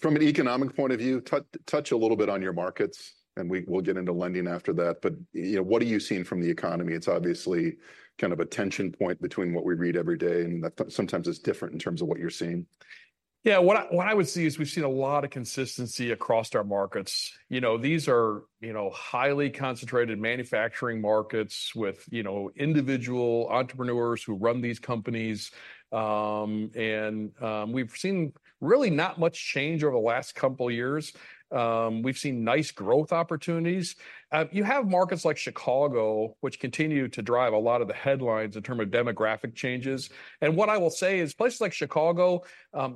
From an economic point of view, touch a little bit on your markets and we'll get into lending after that. But you know, what are you seeing from the economy? It's obviously kind of a tension point between what we read every day and that sometimes is different in terms of what you're seeing. Yeah. What I would see is we've seen a lot of consistency across our markets. You know these are you know highly concentrated manufacturing markets with you know individual entrepreneurs who run these companies. And we've seen really not much change over the last couple of years. We've seen nice growth opportunities. You have markets like Chicago, which continue to drive a lot of the headlines in terms of demographic changes. And what I will say is places like Chicago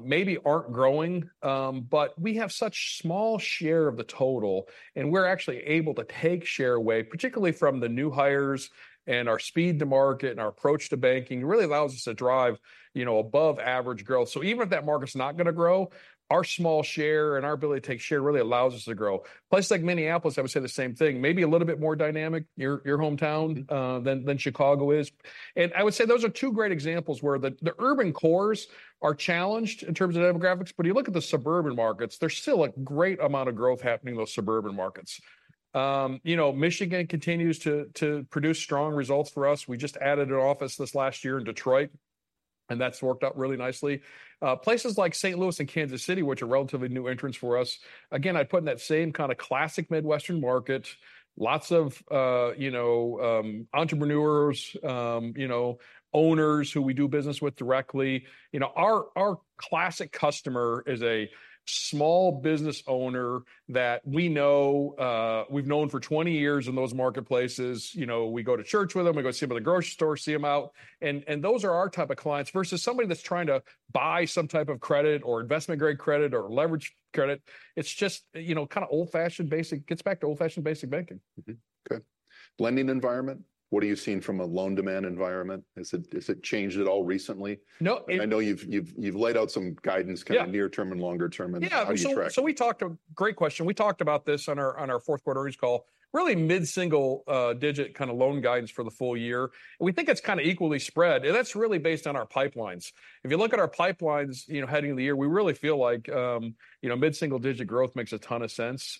maybe aren't growing, but we have such small share of the total and we're actually able to take share away, particularly from the new hires and our speed to market and our approach to banking. It really allows us to drive you know above-average growth. So even if that market's not going to grow, our small share and our ability to take share really allows us to grow. Places like Minneapolis, I would say the same thing, maybe a little bit more dynamic, your hometown, than Chicago is. I would say those are two great examples where the urban cores are challenged in terms of demographics. But you look at the suburban markets, there's still a great amount of growth happening in those suburban markets. You know Michigan continues to produce strong results for us. We just added an office this last year in Detroit and that's worked out really nicely. Places like St. Louis and Kansas City, which are relatively new entrants for us. Again, I'd put in that same kind of classic Midwestern market, lots of you know entrepreneurs, you know owners who we do business with directly. You know our classic customer is a small business owner that we know we've known for 20 years in those marketplaces. You know, we go to church with them, we go see them at the grocery store, see them out. And those are our type of clients versus somebody that's trying to buy some type of credit or investment-grade credit or leverage credit. It's just, you know, kind of old-fashioned basic, gets back to old-fashioned basic banking. Okay. Lending environment, what are you seeing from a loan demand environment? Has it changed at all recently? I know you've laid out some guidance kind of near-term and longer-term and how you track. Yeah. So that's a great question. We talked about this on our fourth quarter earnings call, really mid-single digit kind of loan guidance for the full year. And we think it's kind of equally spread. And that's really based on our pipelines. If you look at our pipelines you know heading into the year, we really feel like you know mid-single digit growth makes a ton of sense.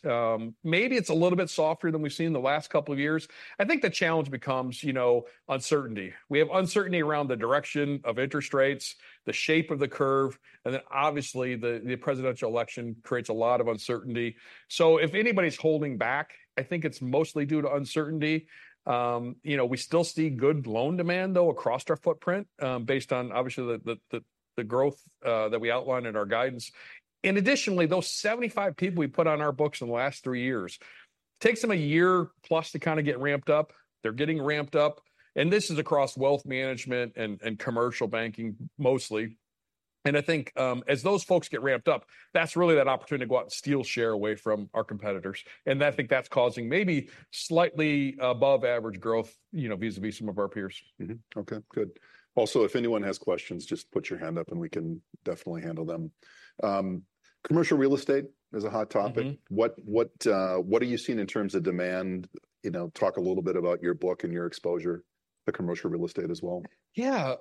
Maybe it's a little bit softer than we've seen the last couple of years. I think the challenge becomes you know uncertainty. We have uncertainty around the direction of interest rates, the shape of the curve, and then obviously the presidential election creates a lot of uncertainty. So if anybody's holding back, I think it's mostly due to uncertainty. You know, we still see good loan demand, though, across our footprint based on obviously the growth that we outlined in our guidance. And additionally, those 75 people we put on our books in the last three years, it takes them a year plus to kind of get ramped up. They're getting ramped up. And this is across wealth management and commercial banking mostly. And I think as those folks get ramped up, that's really that opportunity to go out and steal share away from our competitors. And I think that's causing maybe slightly above-average growth, you know, vis-a-vis some of our peers. Okay. Good. Also, if anyone has questions, just put your hand up and we can definitely handle them. Commercial real estate is a hot topic. What are you seeing in terms of demand? You know, talk a little bit about your book and your exposure to commercial real estate as well. Yeah.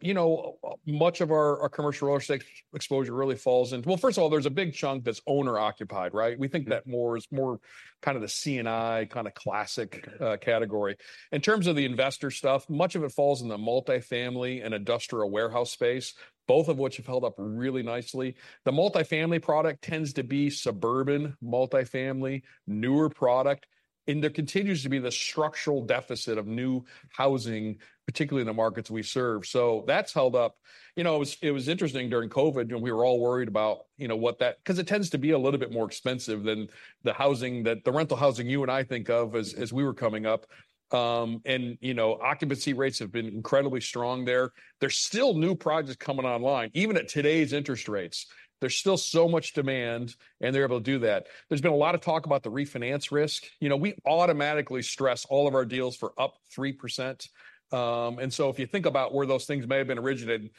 You know much of our commercial real estate exposure really falls into, well, first of all, there's a big chunk that's owner-occupied, right? We think that more is more kind of the C&I kind of classic category. In terms of the investor stuff, much of it falls in the multifamily and industrial warehouse space, both of which have held up really nicely. The multifamily product tends to be suburban multifamily, newer product. And there continues to be the structural deficit of new housing, particularly in the markets we serve. So that's held up. You know it was interesting during COVID when we were all worried about you know what that, because it tends to be a little bit more expensive than the housing, the rental housing you and I think of as we were coming up. And you know occupancy rates have been incredibly strong there. There's still new projects coming online. Even at today's interest rates, there's still so much demand and they're able to do that. There's been a lot of talk about the refinance risk. You know we automatically stress all of our deals for up 3%. And so if you think about where those things may have been originated,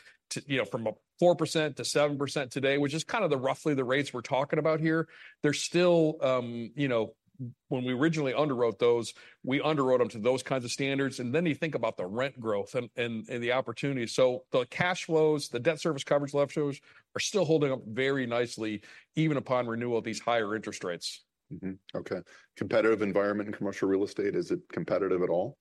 you know from a 4%-7% today, which is kind of roughly the rates we're talking about here, there's still, you know when we originally underwrote those, we underwrote them to those kinds of standards. And then you think about the rent growth and the opportunities. So the cash flows, the debt service coverage leverages are still holding up very nicely even upon renewal of these higher interest rates. Okay. Competitive environment in commercial real estate, is it competitive at all?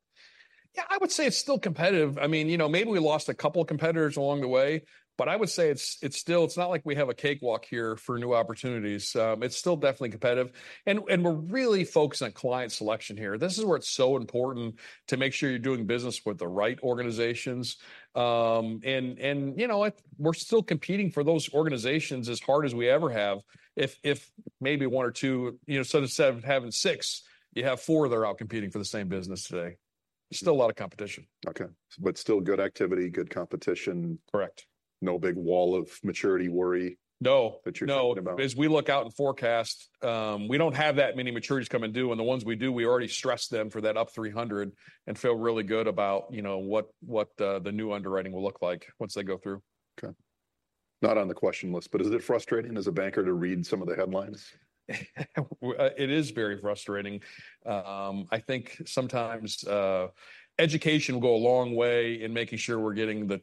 Yeah. I would say it's still competitive. I mean, you know maybe we lost a couple of competitors along the way, but I would say it's still, it's not like we have a cakewalk here for new opportunities. It's still definitely competitive. We're really focused on client selection here. This is where it's so important to make sure you're doing business with the right organizations. You know we're still competing for those organizations as hard as we ever have. If maybe one or two, you know instead of having six, you have four that are out competing for the same business today. Still a lot of competition. Okay. But still good activity, good competition. Correct. No big wall of maturity worry that you're thinking about? No. As we look out and forecast, we don't have that many maturities coming due. And the ones we do, we already stress them for that up 300 and feel really good about you know what the new underwriting will look like once they go through. Okay. Not on the question list, but is it frustrating as a banker to read some of the headlines? It is very frustrating. I think sometimes education will go a long way in making sure we're getting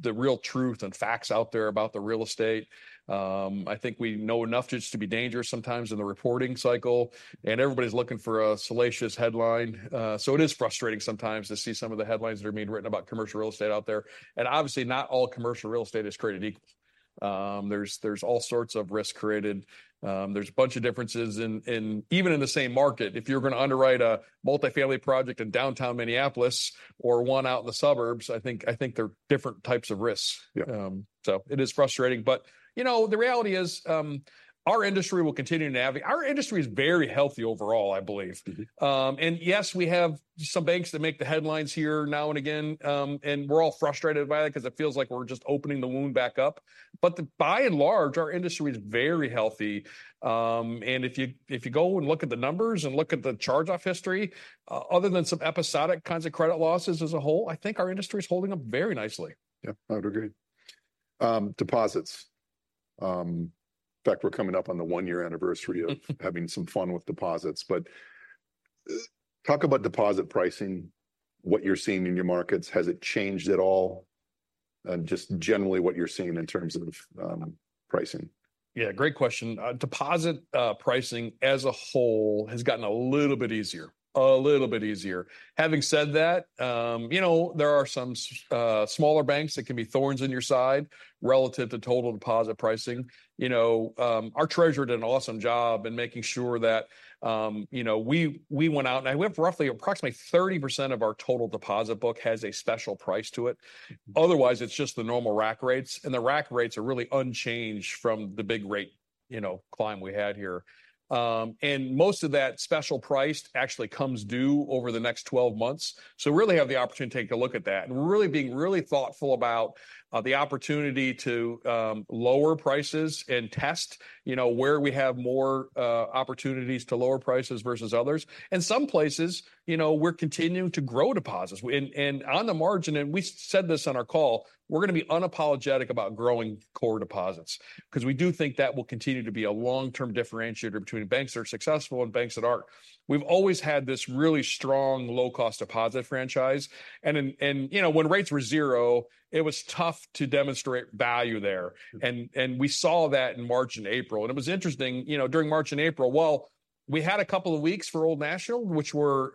the real truth and facts out there about the real estate. I think we know enough just to be dangerous sometimes in the reporting cycle. And everybody's looking for a salacious headline. So it is frustrating sometimes to see some of the headlines that are being written about commercial real estate out there. And obviously, not all commercial real estate is created equal. There's all sorts of risks created. There's a bunch of differences in even in the same market. If you're going to underwrite a multifamily project in downtown Minneapolis or one out in the suburbs, I think there are different types of risks. So it is frustrating. But you know the reality is our industry will continue to navigate. Our industry is very healthy overall, I believe. Yes, we have some banks that make the headlines here now and again. We're all frustrated by that because it feels like we're just opening the wound back up. But by and large, our industry is very healthy. If you go and look at the numbers and look at the charge-off history, other than some episodic kinds of credit losses as a whole, I think our industry is holding up very nicely. Yeah. I would agree. Deposits. In fact, we're coming up on the one-year anniversary of having some fun with deposits. But talk about deposit pricing, what you're seeing in your markets. Has it changed at all? And just generally, what you're seeing in terms of pricing? Yeah. Great question. Deposit pricing as a whole has gotten a little bit easier, a little bit easier. Having said that, you know there are some smaller banks that can be thorns in your side relative to total deposit pricing. You know our treasurer did an awesome job in making sure that you know we went out and we have roughly approximately 30% of our total deposit book has a special price to it. Otherwise, it's just the normal rack rates. And the rack rates are really unchanged from the big rate you know climb we had here. And most of that special price actually comes due over the next 12 months. So we really have the opportunity to take a look at that. And we're really being really thoughtful about the opportunity to lower prices and test you know where we have more opportunities to lower prices versus others. Some places, you know we're continuing to grow deposits. On the margin, and we said this on our call, we're going to be unapologetic about growing core deposits because we do think that will continue to be a long-term differentiator between banks that are successful and banks that aren't. We've always had this really strong low-cost deposit franchise. You know when rates were zero, it was tough to demonstrate value there. It was interesting you know during March and April, while we had a couple of weeks for Old National, which were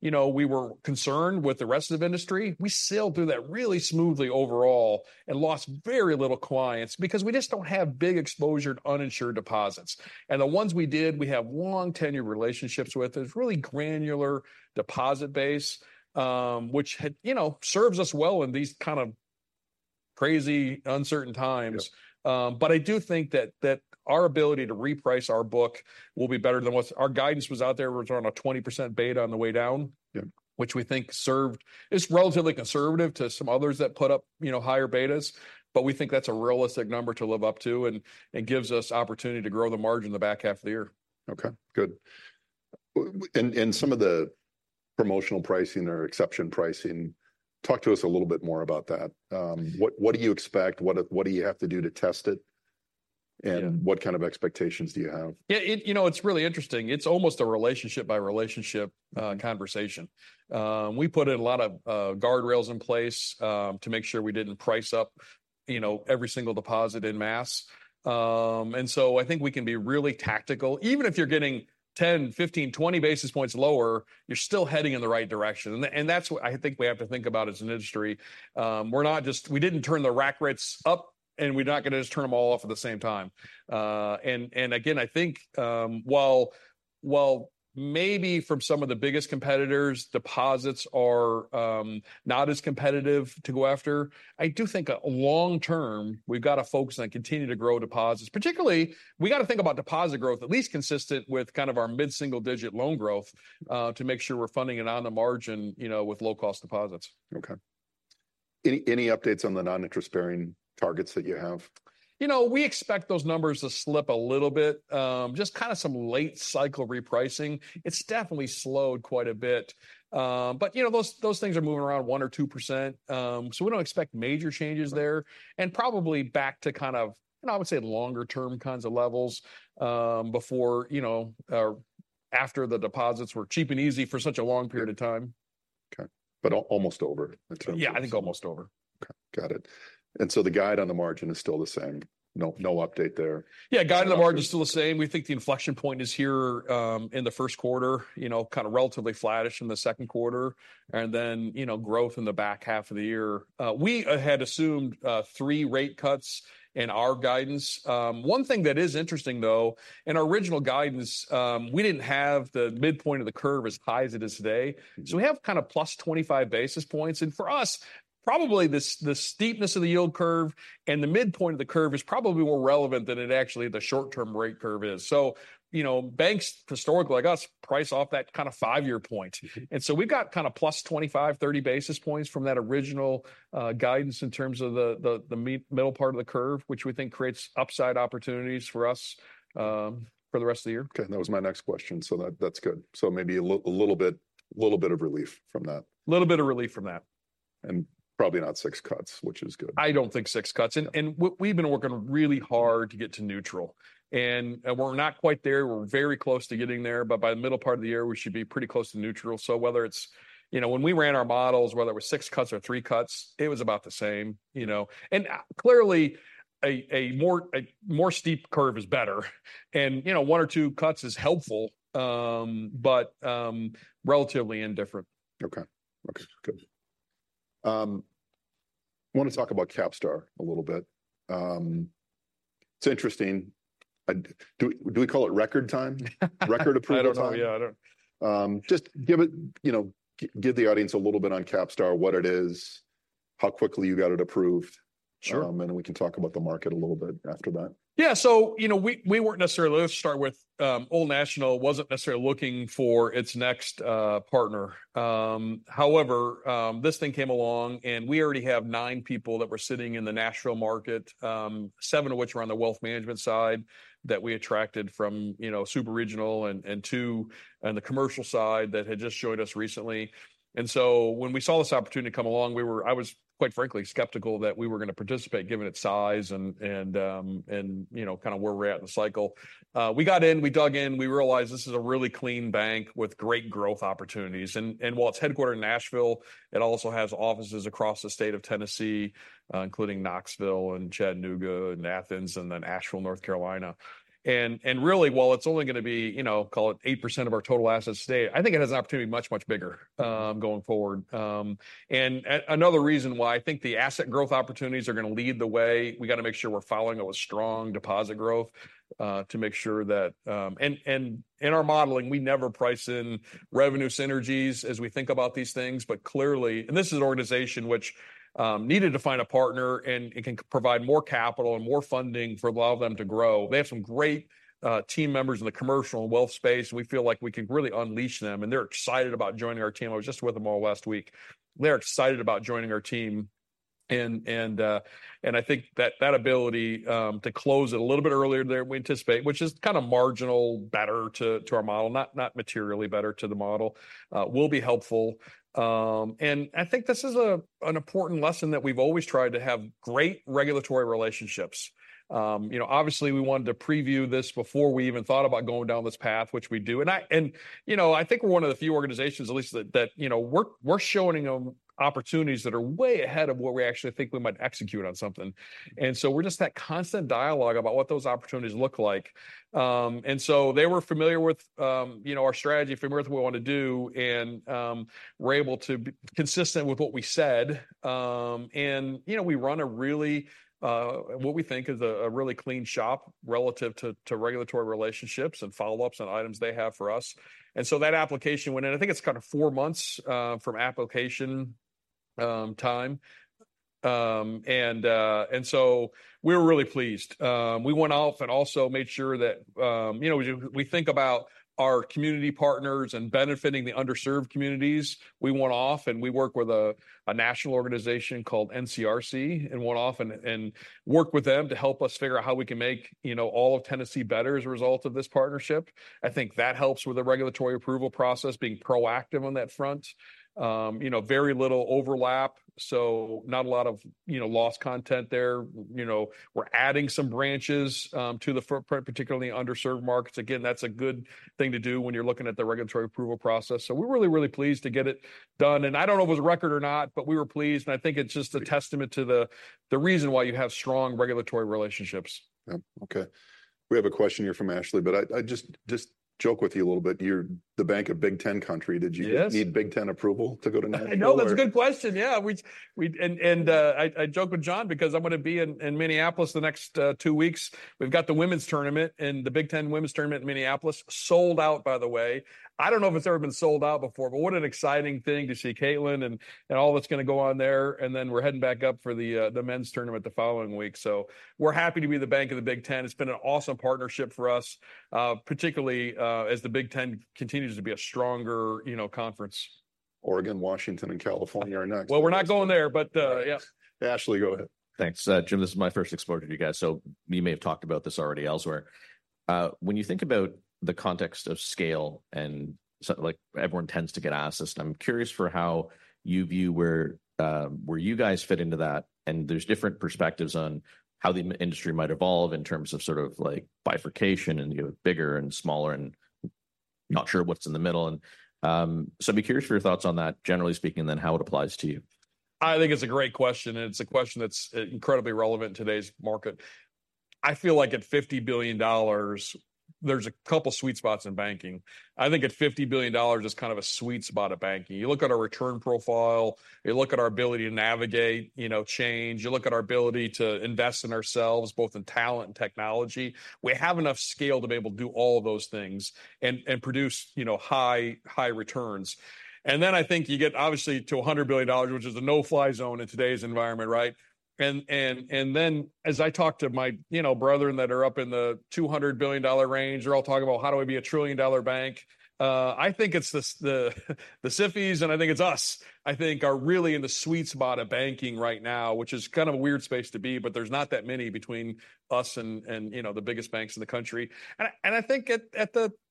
you know we were concerned with the rest of the industry, we sailed through that really smoothly overall and lost very little clients because we just don't have big exposure to uninsured deposits. The ones we did, we have long-tenure relationships with. It's really granular deposit base, which you know serves us well in these kind of crazy, uncertain times. But I do think that our ability to reprice our book will be better than what our guidance was out there. We were on a 20% beta on the way down, which we think served, it's relatively conservative to some others that put up you know higher betas. But we think that's a realistic number to live up to and gives us opportunity to grow the margin in the back half of the year. Okay. Good. Some of the promotional pricing or exception pricing, talk to us a little bit more about that. What do you expect? What do you have to do to test it? And what kind of expectations do you have? Yeah. You know it's really interesting. It's almost a relationship-by-relationship conversation. We put in a lot of guardrails in place to make sure we didn't price up you know every single deposit en masse. And so I think we can be really tactical. Even if you're getting 10, 15, 20 basis points lower, you're still heading in the right direction. And that's what I think we have to think about as an industry. We're not just, we didn't turn the rack rates up and we're not going to just turn them all off at the same time. And again, I think while maybe from some of the biggest competitors, deposits are not as competitive to go after, I do think long-term, we've got to focus on continuing to grow deposits. Particularly, we got to think about deposit growth, at least consistent with kind of our mid-single digit loan growth to make sure we're funding it on the margin you know with low-cost deposits. Okay. Any updates on the non-interest-bearing targets that you have? You know. We expect those numbers to slip a little bit, just kind of some late-cycle repricing. It's definitely slowed quite a bit. But you know those things are moving around 1% or 2%. So we don't expect major changes there. And probably back to kind of, and I would say longer-term kinds of levels before you know after the deposits were cheap and easy for such a long period of time. Okay. But almost over in terms of. Yeah. I think almost over. Okay. Got it. The guide on the margin is still the same. No update there. Yeah. Guide on the margin is still the same. We think the inflection point is here in the first quarter, you know kind of relatively flatish in the second quarter. And then you know growth in the back half of the year. We had assumed three rate cuts in our guidance. One thing that is interesting, though, in our original guidance, we didn't have the midpoint of the curve as high as it is today. So we have kind of plus 25 basis points. And for us, probably the steepness of the yield curve and the midpoint of the curve is probably more relevant than it actually the short-term rate curve is. So you know banks historically like us price off that kind of five-year point. We've got kind of +25-30 basis points from that original guidance in terms of the middle part of the curve, which we think creates upside opportunities for us for the rest of the year. Okay. And that was my next question. So that's good. So maybe a little bit of relief from that. Little bit of relief from that. Probably not six cuts, which is good. I don't think six cuts. We've been working really hard to get to neutral. We're not quite there. We're very close to getting there. But by the middle part of the year, we should be pretty close to neutral. So whether it's, you know, when we ran our models, whether it was six cuts or three cuts, it was about the same. You know, and clearly, a more steep curve is better. And you know, one or two cuts is helpful, but relatively indifferent. Okay. Okay. Good. I want to talk about CapStar a little bit. It's interesting. Do we call it record time? Record approved time? I don't know. Yeah. I don't. Just give it, you know give the audience a little bit on CapStar, what it is, how quickly you got it approved. Then we can talk about the market a little bit after that. Yeah. So you know we weren't necessarily, let's start with Old National, wasn't necessarily looking for its next partner. However, this thing came along and we already have nine people that were sitting in the national market, seven of which were on the wealth management side that we attracted from you know super regional and two on the commercial side that had just joined us recently. And so when we saw this opportunity come along, we were, I was quite frankly skeptical that we were going to participate given its size and you know kind of where we're at in the cycle. We got in, we dug in, we realized this is a really clean bank with great growth opportunities. And while it's headquartered in Nashville, it also has offices across the state of Tennessee, including Knoxville and Chattanooga and Athens and then Asheville, North Carolina. And really, while it's only going to be, you know, call it 8% of our total assets today, I think it has an opportunity much, much bigger going forward. And another reason why I think the asset growth opportunities are going to lead the way, we got to make sure we're following it with strong deposit growth to make sure that, and in our modeling, we never price in revenue synergies as we think about these things. But clearly, and this is an organization which needed to find a partner and can provide more capital and more funding for allowing them to grow. They have some great team members in the commercial and wealth space. We feel like we can really unleash them. And they're excited about joining our team. I was just with them all last week. They're excited about joining our team. I think that ability to close it a little bit earlier than we anticipate, which is kind of marginal better to our model, not materially better to the model, will be helpful. And I think this is an important lesson that we've always tried to have great regulatory relationships. You know obviously, we wanted to preview this before we even thought about going down this path, which we do. And you know I think we're one of the few organizations, at least that you know we're showing them opportunities that are way ahead of what we actually think we might execute on something. And so we're just that constant dialogue about what those opportunities look like. And so they were familiar with you know our strategy, familiar with what we want to do. And we're able to be consistent with what we said. You know we run a really, what we think is a really clean shop relative to regulatory relationships and follow-ups and items they have for us. That application went in. I think it's kind of four months from application time. We were really pleased. We went off and also made sure that you know we think about our community partners and benefiting the underserved communities. We went off and we worked with a national organization called NCRC and went off and worked with them to help us figure out how we can make you know all of Tennessee better as a result of this partnership. I think that helps with the regulatory approval process, being proactive on that front. You know very little overlap. Not a lot of you know lost content there. You know we're adding some branches to the footprint, particularly in the underserved markets. Again, that's a good thing to do when you're looking at the regulatory approval process. So we're really, really pleased to get it done. And I don't know if it was a record or not, but we were pleased. And I think it's just a testament to the reason why you have strong regulatory relationships. Yeah. Okay. We have a question here from Ashley, but I just joke with you a little bit. You're the bank of Big Ten country. Did you need Big Ten approval to go to Nashville? I know. That's a good question. Yeah. And I joke with John because I'm going to be in Minneapolis the next two weeks. We've got the women's tournament and the Big Ten women's tournament in Minneapolis, sold out, by the way. I don't know if it's ever been sold out before, but what an exciting thing to see Caitlin and all that's going to go on there. And then we're heading back up for the men's tournament the following week. So we're happy to be the bank of the Big Ten. It's been an awesome partnership for us, particularly as the Big Ten continues to be a stronger conference. Oregon, Washington, and California are next. Well, we're not going there, but yeah. Ashley, go ahead. Thanks, Jim. This is my first exposure to you guys. So you may have talked about this already elsewhere. When you think about the context of scale and like everyone tends to get assets, and I'm curious for how you view where you guys fit into that. And there's different perspectives on how the industry might evolve in terms of sort of like bifurcation and you have bigger and smaller and not sure what's in the middle. And so I'd be curious for your thoughts on that, generally speaking, and then how it applies to you. I think it's a great question. It's a question that's incredibly relevant in today's market. I feel like at $50 billion, there's a couple of sweet spots in banking. I think at $50 billion is kind of a sweet spot of banking. You look at our return profile, you look at our ability to navigate you know change, you look at our ability to invest in ourselves, both in talent and technology. We have enough scale to be able to do all of those things and produce you know high returns. Then I think you get obviously to $100 billion, which is a no-fly zone in today's environment, right? Then as I talk to my you know brother that are up in the $200 billion range, they're all talking about how do we be a trillion-dollar bank? I think it's the SIFIs and I think it's us, I think, are really in the sweet spot of banking right now, which is kind of a weird space to be, but there's not that many between us and you know the biggest banks in the country. I think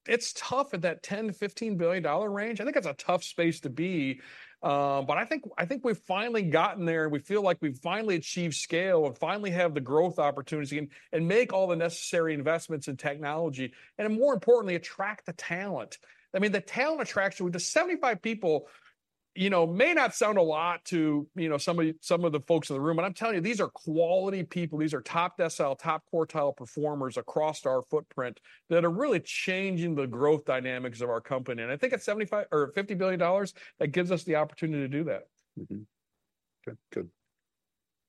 it's tough at that $10 billion-$15 billion range. I think it's a tough space to be. I think we've finally gotten there and we feel like we've finally achieved scale and finally have the growth opportunities and make all the necessary investments in technology and more importantly, attract the talent. I mean, the talent attraction, with the 75 people, you know may not sound a lot to you know some of the folks in the room. I'm telling you, these are quality people. These are top decile, top quartile performers across our footprint that are really changing the growth dynamics of our company. I think at $50 billion, that gives us the opportunity to do that. Okay. Good.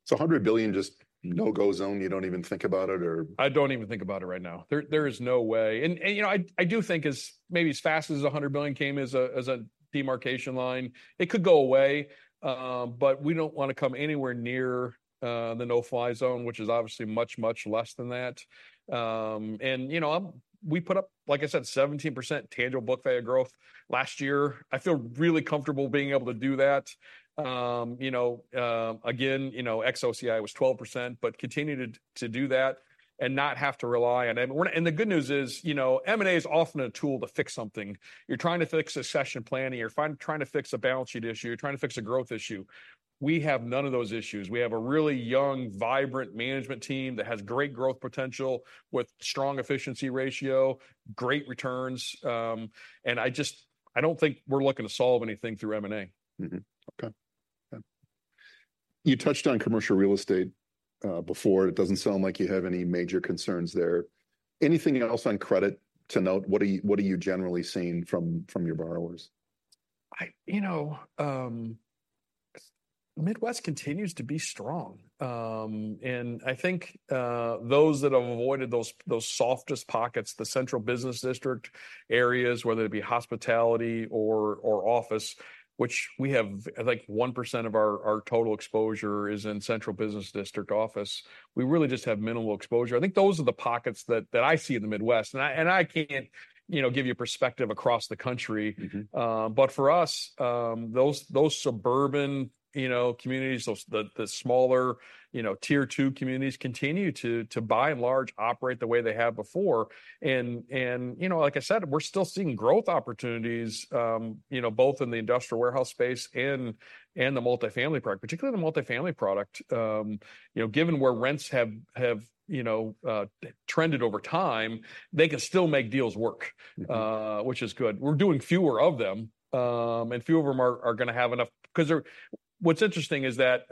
So $100 billion, just no-go zone? You don't even think about it or? I don't even think about it right now. There is no way. And you know, I do think as maybe as fast as $100 billion came as a demarcation line, it could go away. But we don't want to come anywhere near the no-fly zone, which is obviously much, much less than that. And you know, we put up, like I said, 17% tangible book value growth last year. I feel really comfortable being able to do that. You know, again, you know AOCI was 12%, but continue to do that and not have to rely on it. And the good news is you know M&A is often a tool to fix something. You're trying to fix a succession planning, you're trying to fix a balance sheet issue, you're trying to fix a growth issue. We have none of those issues. We have a really young, vibrant management team that has great growth potential with strong efficiency ratio, great returns. I just, I don't think we're looking to solve anything through M&A. Okay. Yeah. You touched on commercial real estate before. It doesn't sound like you have any major concerns there. Anything else on credit to note? What are you generally seeing from your borrowers? You know, Midwest continues to be strong. And I think those that have avoided those softest pockets, the central business district areas, whether it be hospitality or office, which we have, I think 1% of our total exposure is in central business district office. We really just have minimal exposure. I think those are the pockets that I see in the Midwest. And I can't, you know, give you a perspective across the country. But for us, those suburban, you know, communities, the smaller, you know, tier two communities continue to, by and large, operate the way they have before. And you know, like I said, we're still seeing growth opportunities, you know, both in the industrial warehouse space and the multifamily product, particularly the multifamily product. You know, given where rents have, you know, trended over time, they can still make deals work, which is good. We're doing fewer of them. Few of them are going to have enough, because what's interesting is that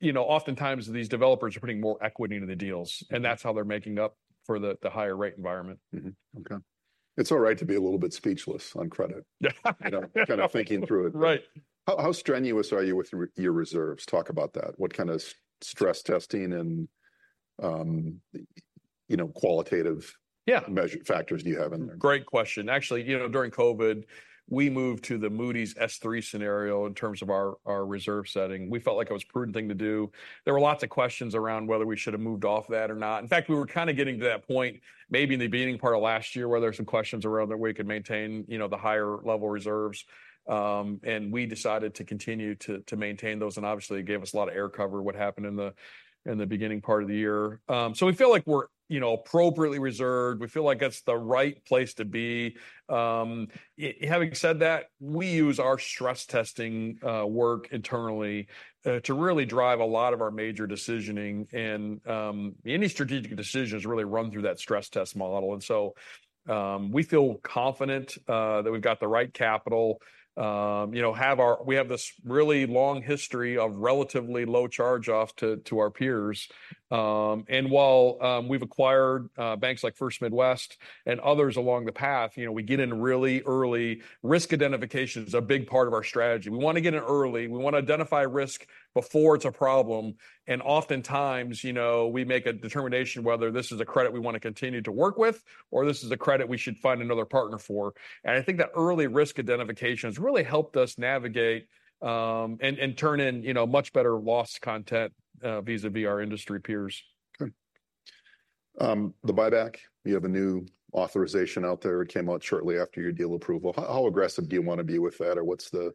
you know oftentimes these developers are putting more equity into the deals. That's how they're making up for the higher rate environment. Okay. It's all right to be a little bit speechless on credit, kind of thinking through it. How strenuous are you with your reserves? Talk about that. What kind of stress testing and you know qualitative factors do you have in there? Great question. Actually, you know during COVID, we moved to the Moody's S3 scenario in terms of our reserve setting. We felt like it was a prudent thing to do. There were lots of questions around whether we should have moved off that or not. In fact, we were kind of getting to that point maybe in the beginning part of last year where there were some questions around that we could maintain you know the higher level reserves. And we decided to continue to maintain those. And obviously, it gave us a lot of air cover what happened in the beginning part of the year. So we feel like we're you know appropriately reserved. We feel like it's the right place to be. Having said that, we use our stress testing work internally to really drive a lot of our major decisioning. Any strategic decision is really run through that stress test model. And so we feel confident that we've got the right capital. You know we have this really long history of relatively low charge-off to our peers. And while we've acquired banks like First Midwest and others along the path, you know we get in really early. Risk identification is a big part of our strategy. We want to get in early. We want to identify risk before it's a problem. And oftentimes, you know we make a determination whether this is a credit we want to continue to work with or this is a credit we should find another partner for. And I think that early risk identification has really helped us navigate and turn in you know much better loss content vis-à-vis our industry peers. Okay. The buyback, you have a new authorization out there. It came out shortly after your deal approval. How aggressive do you want to be with that? Or what's the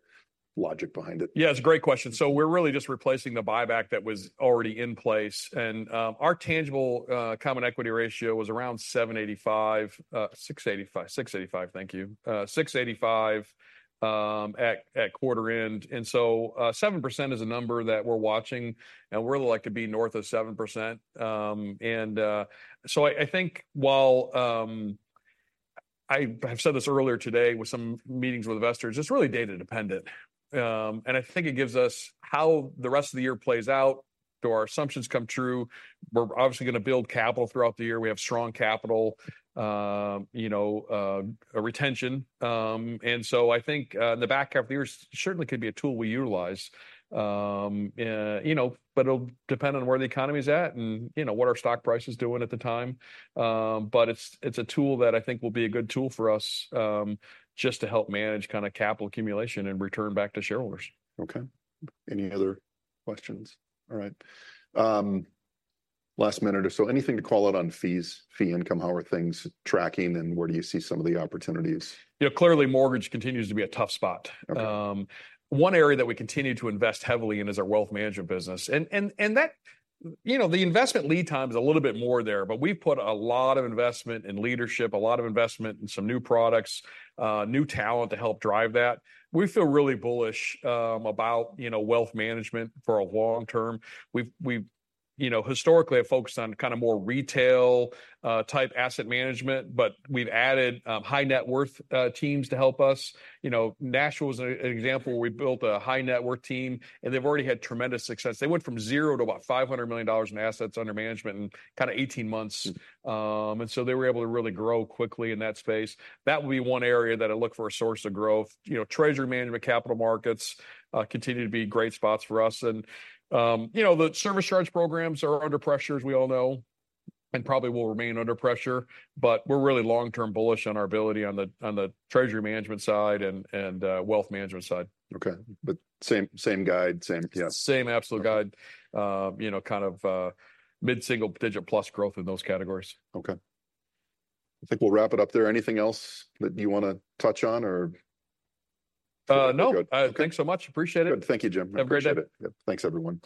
logic behind it? Yeah, it's a great question. So we're really just replacing the buyback that was already in place. And our tangible common equity ratio was around 7.85, 6.85, 6.85, thank you, 6.85 at quarter end. And so 7% is a number that we're watching. And we really like to be north of 7%. And so I think while I have said this earlier today with some meetings with investors, it's really data dependent. And I think it gives us how the rest of the year plays out. Do our assumptions come true? We're obviously going to build capital throughout the year. We have strong capital, you know, retention. And so I think in the back half of the year, it certainly could be a tool we utilize. You know, but it'll depend on where the economy is at and you know what our stock price is doing at the time. But it's a tool that I think will be a good tool for us just to help manage kind of capital accumulation and return back to shareholders. Okay. Any other questions? All right. Last minute or so, anything to call out on fees, fee income? How are things tracking and where do you see some of the opportunities? You know clearly, mortgage continues to be a tough spot. One area that we continue to invest heavily in is our wealth management business. And that you know the investment lead time is a little bit more there. But we've put a lot of investment in leadership, a lot of investment in some new products, new talent to help drive that. We feel really bullish about you know wealth management for a long term. We've you know historically have focused on kind of more retail-type asset management. But we've added high net worth teams to help us. You know Nashville is an example where we built a high net worth team. And they've already had tremendous success. They went from zero to about $500 million in assets under management in kind of 18 months. And so they were able to really grow quickly in that space. That will be one area that I look for a source of growth. You know, treasury management, capital markets continue to be great spots for us. And you know the service charge programs are under pressure, as we all know, and probably will remain under pressure. But we're really long-term bullish on our ability on the treasury management side and wealth management side. Okay. But same guide, same? Same absolute guide. You know kind of mid-single digit plus growth in those categories. Okay. I think we'll wrap it up there. Anything else that you want to touch on or? No. Thanks so much. Appreciate it. Good. Thank you, Jim. Have a great day. Yeah. Thanks, everyone.